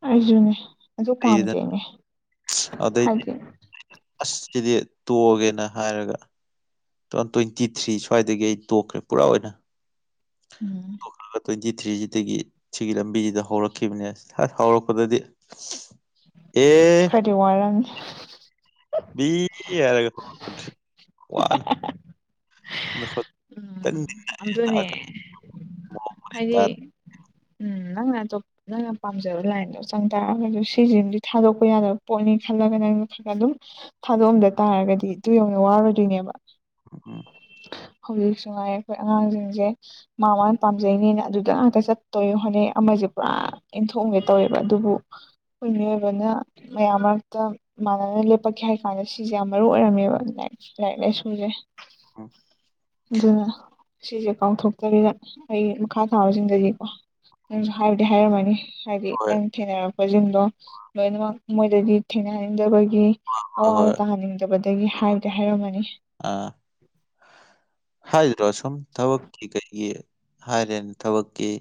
ꯑꯩꯁꯨꯅꯦ ꯑꯗꯨ ꯄꯥꯝꯗꯦꯅꯦ ꯑꯗꯩꯗꯤ ꯍꯥꯏꯗꯤ ꯑꯁ ꯁꯤꯗꯤ ꯇꯣꯛꯑꯒꯦꯅ ꯍꯥꯏꯔꯒ ꯇꯨ ꯊꯥꯎꯖꯟ ꯇ꯭ꯋꯦꯟꯇꯤ ꯊ꯭ꯔꯤ ꯁ꯭ꯋꯥꯏꯗꯒꯤ ꯑꯩ ꯇꯣꯛꯈ꯭ꯔꯦ ꯄꯨꯔꯥ ꯑꯣꯏꯅ ꯎꯝ [unintelligible] ꯇ꯭ꯋꯦꯟꯇꯤ ꯊ꯭ꯔꯤ ꯁꯤꯒꯤ ꯁꯤꯒꯤ ꯂꯝꯕꯤꯁꯤꯗ ꯍꯧꯔꯛꯈꯤꯕꯅꯦ ꯑꯁ ꯍꯧꯔꯛꯄꯗꯗꯤ ꯑꯦ ꯈꯔꯗꯤ ꯋꯥꯔꯝꯅꯤ [unintelligible] ꯋꯥꯅ ꯎꯝ [unintelligible] ꯑꯗꯨꯅꯦ ꯍꯥꯏꯗꯤ ꯈꯤꯇꯪ ꯎꯝ ꯅꯪꯅ ꯑꯇꯣꯞ ꯅꯪꯅ ꯄꯥꯝꯖꯕ ꯂꯥꯏꯟꯗꯣ ꯆꯪ ꯇꯥꯔꯒꯖꯨ ꯁꯤꯁꯤꯃꯗꯤ ꯊꯥꯗꯣꯛꯄ ꯌꯥꯗꯕ ꯄꯣꯠꯅꯤ ꯈꯜꯂꯒ ꯅꯪ ꯈꯜꯂ ꯑꯗꯨꯝ ꯊꯥꯗꯣꯛꯑꯝꯗ ꯇꯥꯔꯒꯗꯤ ꯇꯨ ꯌꯧꯅ ꯋꯥꯔꯣꯏꯗꯣꯏꯅꯦꯕ ꯎꯝ ꯎꯝ ꯍꯧꯖꯤꯛꯁꯨꯉꯥꯏꯔꯦ ꯑꯩꯈꯣꯏ ꯑꯉꯥꯡꯁꯤꯡꯁꯦ ꯃꯥ ꯃꯥꯅ ꯄꯥꯝꯖꯩꯅꯦꯅ ꯑꯗꯨꯗ ꯉꯥꯛꯇ ꯆꯠꯇꯣꯏ ꯍꯣꯠꯅꯩ ꯑꯃꯁꯦ ꯄꯨꯔꯥ ꯏꯟꯊꯣꯛꯑꯝꯒꯦ ꯇꯧꯋꯦꯕ ꯑꯗꯨꯕꯨ ꯑꯩꯈꯣꯏ ꯃꯤꯑꯣꯏꯕꯅ ꯃꯌꯥꯝ ꯃꯔꯛꯇ ꯃꯥꯟꯅꯅ ꯂꯦꯞꯄꯛꯀꯦ ꯍꯥꯏ ꯀꯥꯟꯗ ꯁꯤꯁꯦ ꯌꯥꯝ ꯃꯔꯨ ꯑꯣꯏꯔꯝꯃꯦꯕ ꯂꯥꯏꯔꯤꯛ ꯂꯥꯏꯔꯤꯛ ꯂꯥꯏ ꯁꯨꯁꯦ [unintelligible] ꯑꯗꯨꯅ ꯁꯤꯁꯦ ꯀꯥꯎꯊꯣꯛꯇꯕꯤꯗ ꯑꯩ ꯃꯈꯥ ꯊꯥꯕꯁꯤꯡꯗꯗꯤꯀꯣ ꯅꯪꯁꯨ ꯍꯥꯏꯕꯗꯤ ꯍꯥꯏꯔꯝꯃꯅꯤ ꯍꯥꯏꯗꯤ ꯍꯣꯏ ꯅꯪ ꯊꯦꯡꯅꯔꯛꯄꯁꯤꯡꯗꯣ ꯂꯣꯏꯅꯃꯛ ꯃꯣꯏꯗꯗꯤ ꯊꯦꯡꯅꯍꯟꯅꯤꯡꯗꯕꯒꯤ ꯍꯣꯏ ꯑꯋꯥꯕ ꯍꯣꯏ ꯇꯥꯍꯟꯅꯤꯡ [unintelligible] ꯗꯒꯤ ꯍꯥꯏꯕꯗꯤ ꯍꯥꯏꯔꯝꯃꯅꯤ ꯑꯥ ꯍꯥꯏꯗ꯭ꯔꯣ ꯁꯨꯝ ꯊꯕꯛꯀꯤ ꯀꯩꯒꯤ ꯍꯥꯏꯔꯤꯝ ꯊꯕꯛꯀꯤ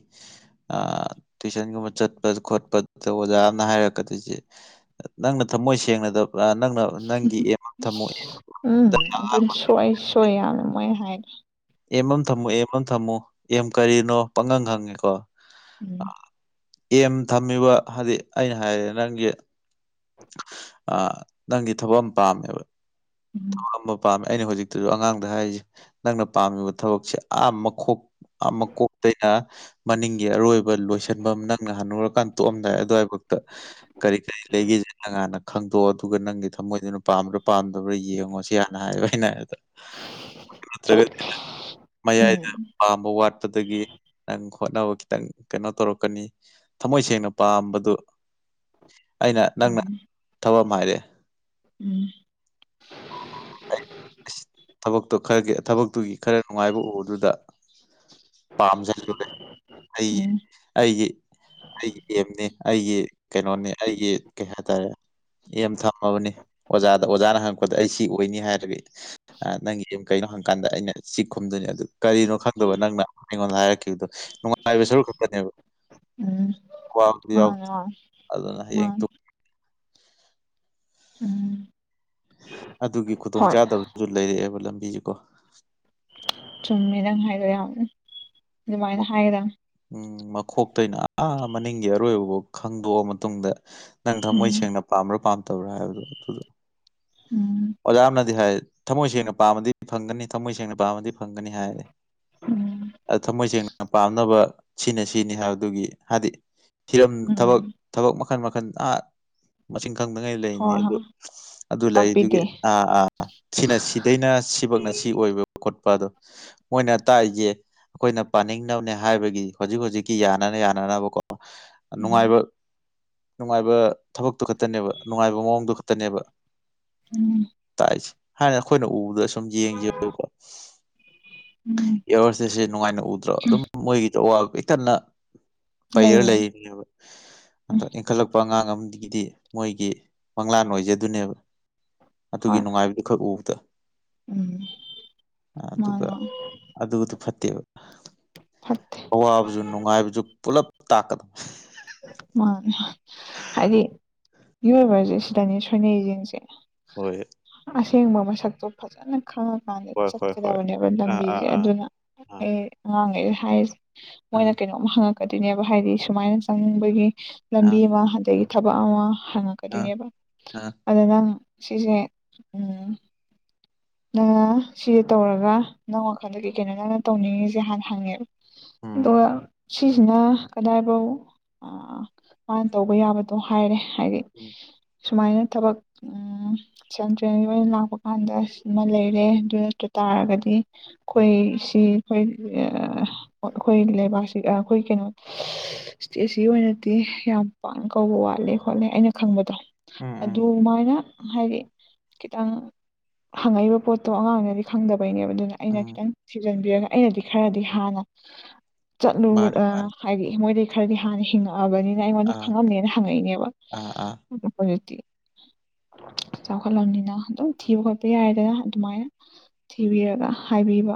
ꯑ ꯇꯨꯏꯁꯟꯒꯨꯝꯕ ꯆꯠꯄ ꯈꯣꯠꯄꯗ ꯑꯣꯖꯥ ꯑꯃꯅ ꯍꯥꯏꯔꯛꯀꯗꯣꯏꯁꯦ ꯅꯪꯅ ꯊꯝꯃꯣꯏ ꯁꯦꯡꯅꯗꯕ ꯄꯨꯔ ꯅꯪꯅ ꯅꯪꯒꯤ ꯑꯦꯝ ꯑꯃ ꯊꯝꯃꯨ ꯎꯝ ꯑꯗꯨꯝ ꯁꯣꯏ ꯁꯣꯏ ꯌꯥꯝꯅ ꯃꯣꯏ ꯍꯥꯏꯗꯣ ꯑꯦꯝ ꯑꯃ ꯊꯝꯃꯨ ꯑꯦꯝ ꯑꯃ ꯊꯝꯃꯨ ꯑꯦꯝ ꯀꯔꯤꯅꯣ ꯄꯪꯍꯪ ꯍꯪꯉꯦꯀꯣ ꯎꯝ ꯑꯦꯝ ꯊꯝꯃꯤꯕ ꯍꯥꯏꯗꯤ ꯑꯩꯅ ꯍꯥꯏꯔꯦ ꯅꯪꯒꯤ ꯑ ꯅꯪꯒꯤ ꯊꯕꯛ ꯑꯃ ꯄꯥꯝꯃꯦꯕ ꯎꯝ ꯊꯕꯛ ꯑꯃ ꯄꯥꯝꯃꯤ ꯑꯩꯅ ꯍꯧꯖꯤꯛꯇꯁꯨ ꯑꯉꯥꯡꯗ ꯍꯥꯏꯔꯤꯁꯦ ꯅꯪꯅ ꯄꯥꯝꯃꯤꯕ ꯊꯕꯛꯁꯦ ꯑꯥ ꯃꯈꯣꯛ ꯑ ꯃꯀꯣꯛꯇꯩꯅ ꯃꯅꯤꯡꯒꯤ ꯑꯔꯣꯏꯕ ꯂꯣꯏꯁꯟꯐꯝ ꯅꯪꯅ ꯍꯟꯅꯨꯔꯀꯥꯟ ꯇꯣꯛꯑꯝꯗꯥꯏ ꯑꯗꯨꯋꯥꯏ ꯕꯨꯛꯇ ꯀꯔꯤ ꯀꯔꯤ ꯂꯩꯒꯦꯁꯦ ꯅꯪ ꯍꯥꯟꯅ ꯈꯪꯗꯣꯛꯑꯣ ꯑꯗꯨꯒ ꯅꯪꯒꯤ ꯊꯝꯃꯣꯏꯗꯨꯅ ꯄꯥꯝꯝꯕ꯭ꯔꯥ ꯄꯥꯝꯗꯕ꯭ꯔꯥ ꯌꯦꯡ ꯌꯦꯡꯉꯣ ꯁꯤ ꯍꯥꯟꯅ ꯍꯥꯏꯌꯦꯕ ꯑꯩꯅ ꯍꯥꯏꯕꯗ [unintelligible] ꯃꯌꯥꯏꯗ ꯎꯝ ꯄꯥꯝꯕ ꯋꯥꯠꯄꯗꯒꯤ ꯅꯪ ꯍꯣꯠꯅꯕ ꯈꯤꯇꯪ ꯀꯩꯅꯣ ꯇꯧꯔꯛꯀꯅꯤ ꯊꯃꯣꯏ ꯁꯦꯡꯅ ꯄꯥꯝꯕꯗꯨ ꯑꯩꯅ ꯅꯪꯅ ꯊꯕꯛ ꯑꯃ ꯍꯥꯏꯔꯛꯑꯦ ꯎꯝ [inaudible] ꯑꯁ ꯊꯕꯛꯇꯣ ꯈꯔꯒꯤ ꯊꯕꯛꯇꯨꯒꯤ ꯈꯔ ꯅꯨꯡꯉꯥꯏꯕ ꯎꯕꯗꯨꯗ ꯄꯥꯝꯖꯔꯨꯔꯦ ꯑꯩꯒꯤ ꯎꯝ ꯑꯩꯒꯤ ꯑꯩꯒꯤ ꯑꯦꯝꯅꯤ ꯑꯩꯒꯤ ꯀꯩꯅꯣꯅꯦ ꯑꯩꯒꯤ ꯀꯩ ꯍꯥꯏꯇꯥꯔꯦ ꯑꯦꯝ ꯊꯝꯃꯕꯅꯦ ꯑꯣꯖꯥꯗ ꯑꯣꯖꯥꯅ ꯍꯪ ꯑꯩ ꯁꯤ ꯑꯣꯏꯅꯤ ꯍꯥꯏꯔꯒ ꯅꯪꯒꯤ ꯑꯦꯝ ꯀꯩꯅꯣ ꯍꯪꯀꯥꯟꯗ ꯑꯩꯅ ꯁꯤ ꯈꯨꯝꯗꯣꯏꯅꯤ ꯑꯗꯨ ꯀꯔꯤꯅꯣ ꯈꯪꯗꯕ ꯅꯪꯅ ꯑꯩꯉꯣꯟꯗ ꯍꯥꯏꯔꯛꯈꯤꯕꯗꯣ ꯅꯨꯡꯉꯥꯏꯕ ꯁꯔꯨꯛ ꯈꯛꯇꯅꯦꯕ ꯎꯝ ꯃꯥꯅꯦ ꯌꯥꯎꯗꯦ ꯃꯥꯅꯦ ꯑꯗꯨꯅ ꯍꯌꯦꯡ ꯃꯥꯅꯦ ꯎꯝ ꯑꯗꯨꯒꯤ ꯍꯣꯏ ꯈꯨꯗꯣꯡꯆꯥꯥꯗꯕꯗꯨꯁꯨ ꯂꯩꯔꯛꯑꯦꯕ ꯂꯝꯕꯤꯁꯤꯀꯣ ꯆꯨꯝꯃꯦ ꯅꯪ ꯍꯥꯏꯔꯤꯖꯣ ꯌꯥꯝ ꯑꯗꯨꯃꯥꯏꯅ ꯃ- ꯍꯥꯏꯒꯗꯥꯝ ꯎꯝ ꯃꯊꯣꯛꯇꯩꯅ ꯑꯥ ꯃꯅꯤꯡꯒꯤ ꯑꯔꯣꯏꯕꯕꯥꯎ ꯈꯪꯗꯣꯛꯑ ꯃꯇꯨꯡꯗ ꯅꯪ ꯊꯃꯣꯏ ꯎꯝ ꯁꯦꯡꯅ ꯄꯥꯝꯕ꯭ꯔꯥ ꯄꯥꯝꯗꯕ꯭ꯔꯥ ꯍꯥꯏꯕꯗꯣ ꯑꯗꯨꯗꯣ ꯎꯝ ꯑꯣꯖꯥ ꯑꯃꯅꯗꯤ ꯍꯥꯏ ꯊꯃꯣꯏ ꯁꯦꯡꯅ ꯄꯥꯝꯃꯗꯤ ꯐꯪꯒꯅꯤ ꯊꯃꯣꯏ ꯁꯦꯡꯅ ꯄꯥꯝꯃꯗꯤ ꯐꯪꯒꯅꯤ ꯍꯥꯏꯌꯦ ꯎꯝ ꯊꯃꯣꯏ ꯁꯦꯡꯅ ꯄꯥꯝꯅꯕ ꯁꯤꯅ ꯁꯤꯅꯤ ꯍꯥꯏꯕꯗꯨꯒꯤ ꯍꯥꯏꯗꯤ ꯍꯤꯔꯝ ꯊꯕꯛ ꯎꯝ ꯊꯕꯛ ꯃꯈꯜ ꯃꯈꯜ ꯑꯥ ꯃꯁꯤꯡ ꯈꯪꯗꯉꯩ ꯂꯩꯔꯤꯅꯤ ꯍꯣꯏ ꯑꯗꯨ ꯍꯣꯏ ꯑꯗꯨ ꯂꯩꯗꯨꯒꯤ ꯇꯥꯛꯄꯤꯗꯦ ꯑꯥ ꯑꯥ ꯁꯤꯅ ꯁꯤꯗꯩꯅ ꯁꯤꯐꯥꯎꯅ ꯁꯤ ꯑꯣꯏꯕ ꯈꯣꯠꯄ ꯑꯗꯣ ꯃꯣꯏꯅ ꯇꯥꯛꯏꯁꯦ ꯑꯩꯈꯣꯏꯅ ꯄꯥꯅꯤꯡꯅꯕꯅꯦ ꯍꯥꯏꯕꯒꯤ ꯍꯧꯖꯤꯛ ꯍꯧꯖꯤꯛꯀꯤ ꯌꯥꯅꯅ ꯌꯥꯅꯅꯕꯀꯣ ꯎꯝ ꯅꯨꯡꯉꯥꯏꯕ ꯅꯨꯡꯉꯥꯏꯕ ꯊꯕꯛꯇꯣ ꯈꯛꯇꯅꯦꯕ ꯅꯨꯡꯉꯥꯏꯕ ꯃꯑꯣꯡꯗꯨ ꯈꯛꯇꯅꯦꯕ ꯎꯝ ꯇꯥꯛꯢꯁꯦ ꯍꯥꯏꯅ ꯑꯩꯈꯣꯏꯅ ꯎꯕꯗ ꯁꯨꯝ ꯌꯦꯡꯖꯦꯕ ꯎꯝ [inaudible] ꯏꯌꯔꯁꯇꯦꯁꯦ ꯅꯨꯡꯉꯥꯏꯅ ꯎꯗ꯭ꯔꯣ ꯑꯗꯨꯝ ꯃꯣꯏꯒꯤꯗꯣ ꯑꯋꯥꯕ ꯄꯤꯊꯥꯟꯅ ꯄꯩꯔ ꯂꯩꯔꯤꯅꯤ ꯂꯩꯔꯤꯅꯦꯕ ꯎꯝ ꯢꯟꯈꯥꯠꯂꯛꯄ ꯑꯉꯥꯡ ꯑꯃꯒꯤꯗꯤ ꯃꯣꯏꯒꯤ ꯃꯪꯂꯥꯟ ꯑꯣꯏꯖꯗꯨꯢꯅꯦꯕ ꯑꯗꯨꯒꯤ ꯍꯣꯏ ꯅꯨꯡꯉꯥꯏꯕꯗꯨ ꯈꯛ ꯎꯕꯗ ꯎꯝ ꯑꯗꯨꯒ ꯃꯥꯔꯣ ꯑꯗꯨꯗꯨ ꯐꯠꯇꯦꯕ ꯐꯠꯇꯦ ꯑꯋꯥꯕꯁꯨ ꯅꯨꯡꯉꯥꯏꯕꯁꯨ ꯄꯨꯂꯞ ꯇꯥꯛꯀꯗꯕ ꯃꯥꯅꯦ ꯍꯥꯏꯗꯤ ꯃꯤꯑꯣꯏꯕꯁꯦ ꯁꯤꯗꯅꯤ ꯁꯣꯏꯅꯩꯁꯤꯡꯁꯦ ꯍꯣꯏ ꯑꯁꯦꯡꯕ ꯃꯁꯛꯇꯣ ꯐꯖꯅ ꯈꯪꯉꯀꯥꯟꯗ ꯍꯣꯏ ꯍꯣꯏ ꯍꯣꯏ ꯆꯠꯀꯗꯕꯅꯦꯕ ꯑꯥ ꯑꯥ ꯂꯝꯕꯤꯁꯦ ꯑꯥ ꯑꯗꯨꯅ ꯑꯥ ꯑꯩ ꯑꯉꯥꯡꯈꯩꯗ ꯍꯥꯏꯔꯤꯁꯦ ꯑꯥ ꯃꯣꯏꯅ ꯀꯩꯅꯣꯝ ꯍꯪꯉꯛꯀꯗꯣꯏꯅꯦꯕ ꯍꯥꯏꯗꯤ ꯁꯨꯃꯥꯏꯅ ꯆꯪꯅꯤꯡꯕꯒꯤ ꯑꯥ ꯂꯝꯕꯤ ꯑꯃ ꯑꯗꯒꯤ ꯊꯕꯛ ꯑꯃ ꯑꯥ ꯍꯪꯉꯛꯀꯗꯣꯏꯅꯦꯕ ꯑ ꯑꯗꯨ ꯅꯪ ꯁꯤꯁꯦ ꯅꯪ ꯁꯤꯁꯦ ꯇꯧꯔꯒ ꯅꯪ ꯋꯥꯈꯜꯗꯒꯤ ꯀꯩꯅꯣ ꯅꯪꯅ ꯇꯧꯅꯤꯡꯉꯤꯁꯦ ꯍꯥꯟꯅ ꯍꯪꯉꯦꯕ ꯑ ꯎꯝ ꯁꯤꯁꯤꯅ ꯀꯗꯥꯏꯐꯥꯎ ꯑ ꯃꯥꯅ ꯇꯧꯕ ꯌꯥꯕꯗꯣ ꯍꯥꯏꯔꯦ ꯍꯥꯏꯗꯤ ꯎꯝ ꯁꯨꯃꯥꯏꯅ ꯊꯕꯛ ꯁꯦꯟꯇ꯭ꯔꯦꯜꯒꯤ ꯑꯣꯏꯅ ꯂꯥꯛꯄ ꯀꯥꯟꯗ ꯑꯃ ꯂꯩꯔꯦ ꯑꯗꯨ ꯇꯥꯔꯒꯗꯤ ꯎꯝ ꯑꯩꯈꯣꯏ ꯁꯤ ꯑꯩꯈꯣꯏ ꯑꯩꯈꯣꯏ ꯂꯩꯕꯥꯛꯁꯤ ꯑꯩꯈꯣꯏ ꯀꯩꯅꯣ ꯏꯁꯇꯦꯠꯁꯤꯒꯤ ꯑꯣꯏꯅꯗꯤ ꯌꯥꯝ ꯄꯥꯛꯅ ꯀꯧꯕ ꯋꯥꯠꯂꯦ ꯈꯣꯠꯂꯦ ꯑꯩꯅ ꯈꯪꯕꯗꯣ ꯎꯝ ꯑꯗꯨꯃꯥꯏꯅ ꯍꯥꯏꯗꯤ ꯈꯤꯇꯪ ꯍꯪꯉꯛꯏꯕ ꯄꯣꯠꯇꯣ ꯑꯉꯥꯡꯅꯗꯤ ꯈꯪꯗꯕꯩꯅꯦꯕ ꯑꯗꯨꯅ ꯑꯩꯅ ꯎꯝ ꯈꯤꯇꯪ ꯊꯤꯖꯤꯟꯕꯤꯔꯒ ꯑꯩꯅꯗꯤ ꯈꯔꯗꯤ ꯍꯥꯟꯅ ꯃꯥꯅꯤ ꯆꯠꯂꯨꯔ ꯃꯥꯅꯤ ꯍꯥꯏꯗꯤ ꯃꯣꯏꯗꯒꯤ ꯈꯔꯗꯤ ꯍꯥꯟꯅ ꯍꯤꯡꯉꯛ ꯑꯕꯅꯤꯅ ꯑꯩꯉꯣꯟꯗ ꯑꯥ ꯈꯪꯉꯝꯅꯦꯅ ꯍꯪꯉꯛꯏꯅꯦꯕ ꯑꯥ ꯑꯥ ꯍꯧꯖꯤꯛ ꯇꯤ ꯆꯥꯎꯈꯠꯂꯝꯅꯤꯅ ꯊꯤꯕ ꯈꯣꯠ ꯌꯥꯏꯗꯅ ꯑꯗꯨꯃꯥꯏꯅ ꯊꯤꯕꯤꯔꯒ ꯍꯥꯏꯕꯤꯕ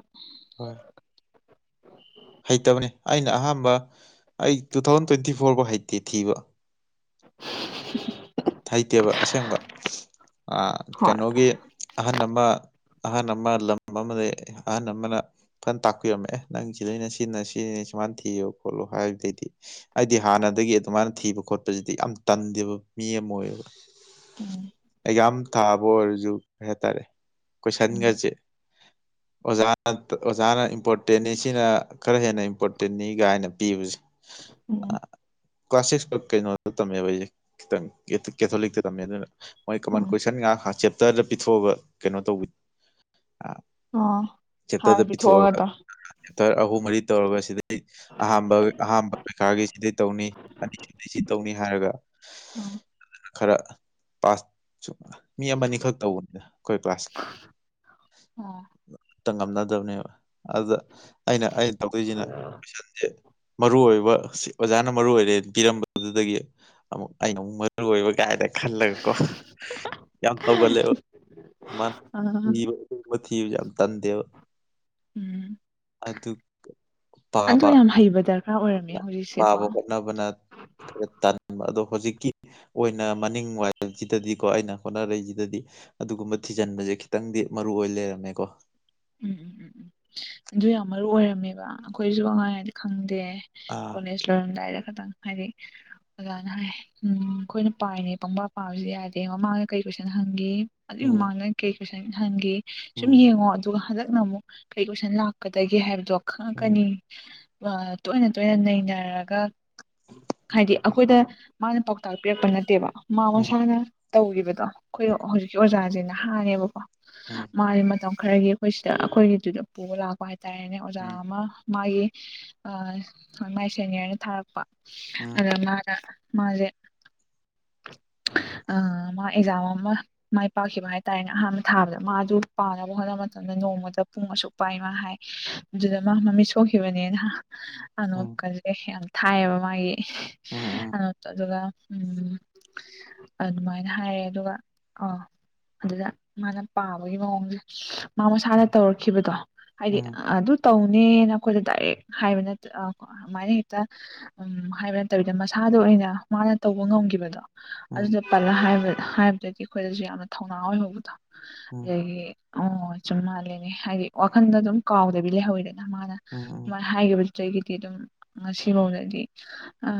ꯍꯣꯏ ꯍꯩꯇꯕꯅꯤ ꯑꯩꯅ ꯑꯍꯥꯟꯕ ꯑꯩ ꯇꯨ ꯊꯥꯎꯖꯟ ꯇ꯭ꯋꯦꯟꯇꯤ ꯐꯣꯔ ꯐꯥꯎ ꯍꯩꯇꯦ ꯊꯤꯕ [inaudible] ꯍꯩꯇꯦꯕ ꯑꯁꯦꯡꯕ ꯍꯣꯏ ꯀꯩꯅꯣꯒꯤ ꯑꯍꯟ ꯑꯃ ꯑꯍꯜ ꯑꯃ ꯂꯝ ꯑꯃꯗ ꯑꯍꯟ ꯑꯃꯅ ꯐꯅ ꯇꯥꯛꯄꯤꯔꯝꯃꯦ ꯅꯪ ꯁꯤꯗꯩꯅ ꯁꯤꯟꯅ ꯁꯤꯅꯤ ꯁꯨꯃꯅ ꯊꯤꯌꯨ ꯈꯣꯠꯂꯣ ꯍꯥꯏꯕꯗꯩꯗꯤ ꯍꯥꯏꯗꯤ ꯍꯥꯟꯅꯗꯒꯤ ꯑꯗꯨꯃꯥꯏꯅ ꯊꯤꯕ ꯈꯣꯠꯄꯁꯤꯗꯤ ꯌꯥꯝ ꯇꯟꯗꯦꯕ ꯃꯤ ꯑꯃ ꯑꯣꯏꯌꯦꯕ ꯎꯝ ꯑꯩꯖꯝ ꯊꯥꯕ ꯑꯣꯏꯔꯁꯨ ꯀꯩ ꯍꯥꯏꯇꯥꯔꯦ ꯎꯝ ꯀꯣꯏꯁꯟꯒꯁꯦ ꯑꯣꯖꯥꯅ ꯑꯣꯖꯥꯅ ꯏꯝꯄꯣꯔꯇꯦꯅꯤ ꯁꯤꯅ ꯈꯔ ꯍꯦꯟꯅ ꯏꯝꯄꯣꯔꯇꯦꯟꯅꯤꯒꯥꯏꯅ ꯄꯤꯕꯁꯦ ꯎꯝ ꯀ꯭ꯂꯥꯁ ꯁꯤꯛꯁ ꯀꯩꯅꯣꯗ ꯇꯝꯃꯦꯕ ꯑꯩꯁꯦ ꯈꯤꯇꯪ ꯀꯦꯊꯣꯂꯤꯛꯇ ꯇꯝꯃꯦ ꯑꯗꯨꯅ ꯃꯣꯏ ꯀꯃꯟ ꯎꯝ ꯀꯣꯏꯁꯟ ꯉꯥꯛ ꯆꯦꯞꯇꯔꯗ ꯄꯤꯊꯣꯛꯑꯕ ꯀꯩꯅꯣ ꯇꯧꯕꯤ ꯑꯣ ꯍꯥꯟꯅ ꯄꯣꯊꯣꯛꯑꯣꯗꯣ ꯇꯔ ꯑꯍꯨꯝ ꯃꯔꯤ ꯇꯧꯔꯒ ꯁꯤꯗꯩ ꯑꯍꯥꯟꯕ ꯑꯍꯥꯝꯕ ꯄꯩꯈꯥꯒꯤ ꯁꯤꯗꯩ ꯇꯧꯅꯤ ꯑꯁꯤ ꯇꯧꯅꯤ ꯍꯥꯏꯔꯒ ꯑꯣ ꯈꯔ ꯄꯥꯁ ꯆꯨꯝꯉ ꯃꯤ ꯑꯃꯅꯤꯈꯛ ꯇꯧꯕꯅꯤꯅ ꯑꯩꯈꯣꯏ ꯀ꯭ꯂꯥꯁꯀꯤ ꯑꯥ ꯇ ꯉꯝꯅꯗꯕꯅꯦꯕ ꯑꯗꯨꯗ ꯑꯩꯅ ꯑꯩꯅ ꯇꯧꯗꯣꯏꯁꯤꯅ ꯀꯣꯏꯁꯟꯁꯦ ꯃꯔꯨ ꯑꯣꯏꯕ ꯑꯣꯖꯥꯅ ꯃꯔꯨ ꯑꯣꯏꯔꯦꯅ ꯄꯤꯔꯝꯕꯗꯨꯗꯒꯤ ꯑꯃꯨꯛ ꯑꯩꯅ ꯑꯃꯨꯛ ꯃꯔꯨ ꯑꯣꯏꯕ ꯀꯥꯏꯗ ꯈꯜꯂꯒꯀꯣ ꯌꯥꯝ ꯇꯧꯒꯜꯂꯦꯕꯅꯕ [unintelligible] [unintelligible] ꯎꯝ ꯑꯗꯨꯒꯨꯝꯕꯥ ꯊꯤꯕꯁꯦ ꯌꯥꯝ ꯇꯟꯗꯦꯕ ꯑꯗꯨ ꯑꯗꯨ ꯄꯥꯕ ꯌꯥꯝ ꯍꯩꯕ ꯗꯔꯀꯥꯔ ꯑꯣꯏꯔꯝꯃꯦ ꯍꯧꯖꯤꯛꯁꯦꯀꯣ ꯄꯥꯕ ꯍꯣꯠꯅꯕꯅ ꯇꯟꯕꯥ ꯑꯗꯣ ꯍꯧꯖꯤꯛꯀꯤ ꯑꯣꯏꯅ ꯃꯅꯤꯡꯋꯥꯏꯁꯤꯗꯗꯤꯀꯣ ꯑꯩꯅ ꯍꯣꯠꯅꯔꯛꯏꯁꯤꯗꯗꯤ ꯑꯗꯨꯒꯨꯝꯕ ꯊꯤꯖꯤꯟꯕꯁꯦ ꯈꯤꯇꯪꯗꯤ ꯃꯔꯨ ꯑꯣꯏ ꯂꯩꯔꯝꯃꯦꯀꯣ ꯎꯝ ꯎꯝ ꯎꯝ ꯎꯝ ꯑꯗꯨ ꯌꯥꯝ ꯃꯔꯨ ꯑꯣꯏꯔꯝꯃꯦꯕ ꯑꯩꯈꯣꯏꯁꯨ ꯑꯉꯥꯡ ꯑꯣꯏꯔꯤꯉꯩꯗꯥ ꯈꯪꯗꯦ ꯑꯥ ꯀꯣꯂꯦꯖ ꯂꯣꯝꯗꯥꯏꯗ ꯈꯇꯪ ꯍꯥꯏꯗꯤ ꯑꯣꯖꯥꯅ ꯍꯥꯏ ꯎꯝ ꯑꯩꯈꯣꯏꯅ ꯄꯥꯏꯅꯦ ꯄꯪꯕꯥ ꯄꯥꯕꯁꯨ ꯌꯥꯗꯦ ꯃꯃꯥꯡꯗ ꯀꯩ ꯀꯣꯏꯁꯟ ꯍꯪꯒꯦ ꯑꯗꯨꯏ ꯎꯝ ꯃꯃꯥꯡꯗ ꯀꯩ ꯀꯣꯏꯁꯟ ꯍꯪꯒꯦ ꯁꯨꯝ ꯎꯝ ꯌꯦꯡꯉꯣ ꯑꯗꯨꯒ ꯍꯟꯗꯛꯅ ꯑꯃꯨꯛ ꯀꯔꯤ ꯀꯣꯏꯁꯟ ꯂꯥꯛꯀꯗꯒꯦ ꯍꯥꯏꯕꯗꯣ ꯈꯪꯉꯛꯀꯅꯤ ꯎꯝ ꯇꯣꯏꯅ ꯇꯣꯏꯅ ꯅꯩꯅꯔꯒ ꯍꯥꯏꯗꯤ ꯑꯩꯈꯣꯏꯗ ꯃꯥꯅ ꯄꯥꯎꯇꯥꯛ ꯄꯤꯔꯛꯇꯧ ꯅꯠꯇꯦꯕ ꯃꯥ ꯃꯁꯥꯅ ꯇꯧꯈꯤꯕꯗꯣ ꯑꯩꯈꯣꯏ ꯍꯧꯖꯤꯛꯀꯤ ꯑꯣꯖꯥꯁꯤ ꯅꯍꯥꯅꯦꯕꯀꯣ ꯎꯝ ꯃꯥꯒꯤ ꯃꯇꯝ ꯈꯔꯒꯤ ꯑꯩꯈꯣꯏ ꯁꯤꯗ ꯑꯩꯈꯣꯏꯒꯤꯗꯨꯗ ꯄꯨꯕ ꯂꯥꯛꯄ ꯍꯥꯏꯇꯥꯔꯦꯅꯦ ꯑꯣꯖꯥ ꯎꯝ ꯑꯃ ꯃꯥꯒꯤ ꯍ ꯃꯥꯏ ꯁꯦꯅꯤꯌꯔꯅ ꯊꯥꯔꯛꯄ ꯎꯝ ꯎꯝ ꯑꯗꯨꯗꯥ ꯃꯥꯅꯥ ꯃꯥꯖꯦ ꯑ ꯃꯥ ꯑꯦꯛꯖꯥꯝ ꯑꯃ ꯃꯥꯏ ꯄꯥꯛꯈꯤꯕ ꯍꯥꯏꯇꯥꯔꯦꯅꯦ ꯑꯍꯥꯟꯕ ꯊꯥꯕꯗ ꯃꯥꯖꯧ ꯄꯥꯅꯕ ꯍꯣꯠꯅꯕ ꯑꯗꯨꯅ ꯅꯣꯡꯃꯗ ꯄꯨꯡ ꯑꯁꯨꯛ ꯄꯥꯏ ꯃꯥ ꯍꯥꯏ ꯑꯗꯨꯗ ꯃꯥ ꯃꯃꯤꯠ ꯁꯣꯛꯈꯤꯕꯅꯦꯅ ꯎꯝ ꯑꯅꯣꯞꯀꯁꯦ ꯌꯥꯝ ꯊꯥꯏꯌꯦꯕ ꯃꯥꯒꯤ ꯎꯝ ꯎꯝ ꯑꯅꯣꯞꯇꯣ ꯑꯗꯨꯒ ꯑꯗꯨꯃꯥꯏꯅ ꯍꯥꯏꯌꯦ ꯑꯗꯨꯒ ꯑꯥ ꯑꯗꯨꯗ ꯃꯥꯅ ꯄꯥꯕꯒꯤ ꯃꯑꯣꯡꯁꯦ ꯃꯥ ꯎꯝ ꯃꯁꯥꯅ ꯇꯧꯔꯛꯈꯤꯕꯗꯣ ꯍꯥꯏꯗꯤ ꯎꯝ ꯑꯗꯨ ꯇꯧꯅꯦꯅ ꯑꯩꯈꯣꯏꯗ ꯗꯥꯏꯔꯦꯛ ꯍꯥꯏꯕ ꯅꯠꯇꯦ ꯑ ꯀꯣ ꯑꯃꯥꯏꯅ ꯍꯦꯛꯇ ꯎꯝ ꯍꯥꯏꯕ ꯅꯠꯇꯕꯤꯗ ꯃꯁꯥꯗ ꯑꯣꯏꯅ ꯃꯥꯅ ꯇꯧꯕ ꯉꯝꯒꯤꯕꯗꯣ ꯎꯝ ꯑꯗꯨꯗꯣ ꯄꯜꯂ ꯍꯥꯏꯕ ꯍꯥꯏꯕꯗꯒꯤ ꯑꯩꯈꯣꯏꯗꯖꯨ ꯌꯥꯝꯅ ꯊꯧꯅꯥ ꯑꯣꯏꯍꯧꯕꯗꯣ ꯎꯝ ꯑꯗꯒꯤ ꯑꯣ ꯆꯨꯝ ꯃꯥꯜꯂꯦꯅꯦ ꯍꯥꯏꯗꯤ ꯋꯥꯈꯟꯗ ꯑꯗꯨꯝ ꯀꯥꯎꯗꯕꯤ ꯂꯩꯍꯧꯏꯗꯅ ꯃꯥꯅ ꯎꯝ ꯎꯝ ꯁꯨꯃꯥꯏ ꯍꯥꯏꯒꯤꯕ ꯆꯩꯒꯤꯗꯤ ꯑꯗꯨꯝ ꯉꯁꯤꯕꯧꯗꯗꯤ ꯑ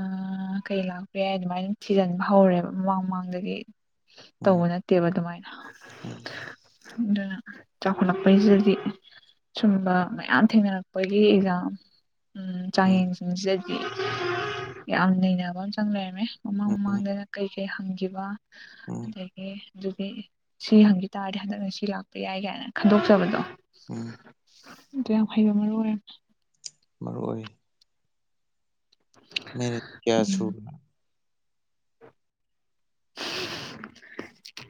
ꯀꯩ ꯂꯥꯛꯄ ꯌꯥꯏ ꯑꯗꯨꯃꯥꯏꯅ ꯑꯗꯨꯝ ꯊꯤꯖꯤꯟꯕ ꯍꯧꯔꯦꯕ ꯃꯃꯥꯡ ꯃꯃꯥꯡꯗꯒꯤ ꯇꯧꯕ ꯎꯝ ꯅꯠꯇꯦꯕ ꯑꯗꯨꯃꯥꯏꯅ ꯎꯝ ꯑꯗꯨꯅ ꯆꯥꯎꯈꯠꯂꯛꯄꯩꯖꯤꯖꯗꯤ ꯁꯨꯝꯕ ꯃꯌꯥꯝ ꯊꯦꯡꯅꯔꯛꯄꯒꯤ ꯑꯦꯛꯖꯥꯝ ꯎꯝ ꯆꯥꯡꯌꯦꯡꯁꯤꯡꯁꯦ ꯌꯥꯝ ꯅꯩꯅꯕ ꯑꯝ ꯆꯪ ꯂꯩꯔꯝꯃꯦ ꯃꯃꯥꯡ ꯎꯝ ꯃꯃꯥꯡꯗꯅ ꯀꯩꯀꯩ ꯍꯪꯈꯤꯕ ꯎꯝ ꯑꯗꯒꯤ ꯑꯗꯨꯗꯤ ꯁꯤ ꯍꯪꯒꯤ ꯇꯥꯔꯗꯤ ꯍꯟꯗꯛꯅ ꯁꯤ ꯂꯥꯛꯄ ꯌꯥꯏ ꯀꯥꯏꯅ ꯈꯟꯗꯣꯛꯆꯕꯗꯣ ꯎꯝ ꯑꯗꯨ ꯌꯥꯝ ꯍꯩꯕ ꯃꯔꯨ ꯑꯣꯏꯔꯝꯃꯦ ꯃꯔꯨ ꯑꯣꯏꯌꯦ [inaudible] ꯃꯤꯅꯤꯠ ꯀꯌꯥ ꯎꯝ ꯁꯨꯨꯕꯅꯣ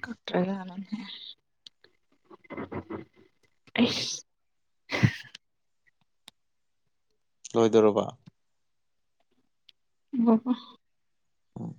ꯀꯛꯇ꯭ꯔꯖꯥꯠꯂꯣꯅꯦ ꯑꯩꯁ ꯂꯣꯏꯗꯣꯔꯕ [unintelligible] ꯎꯝ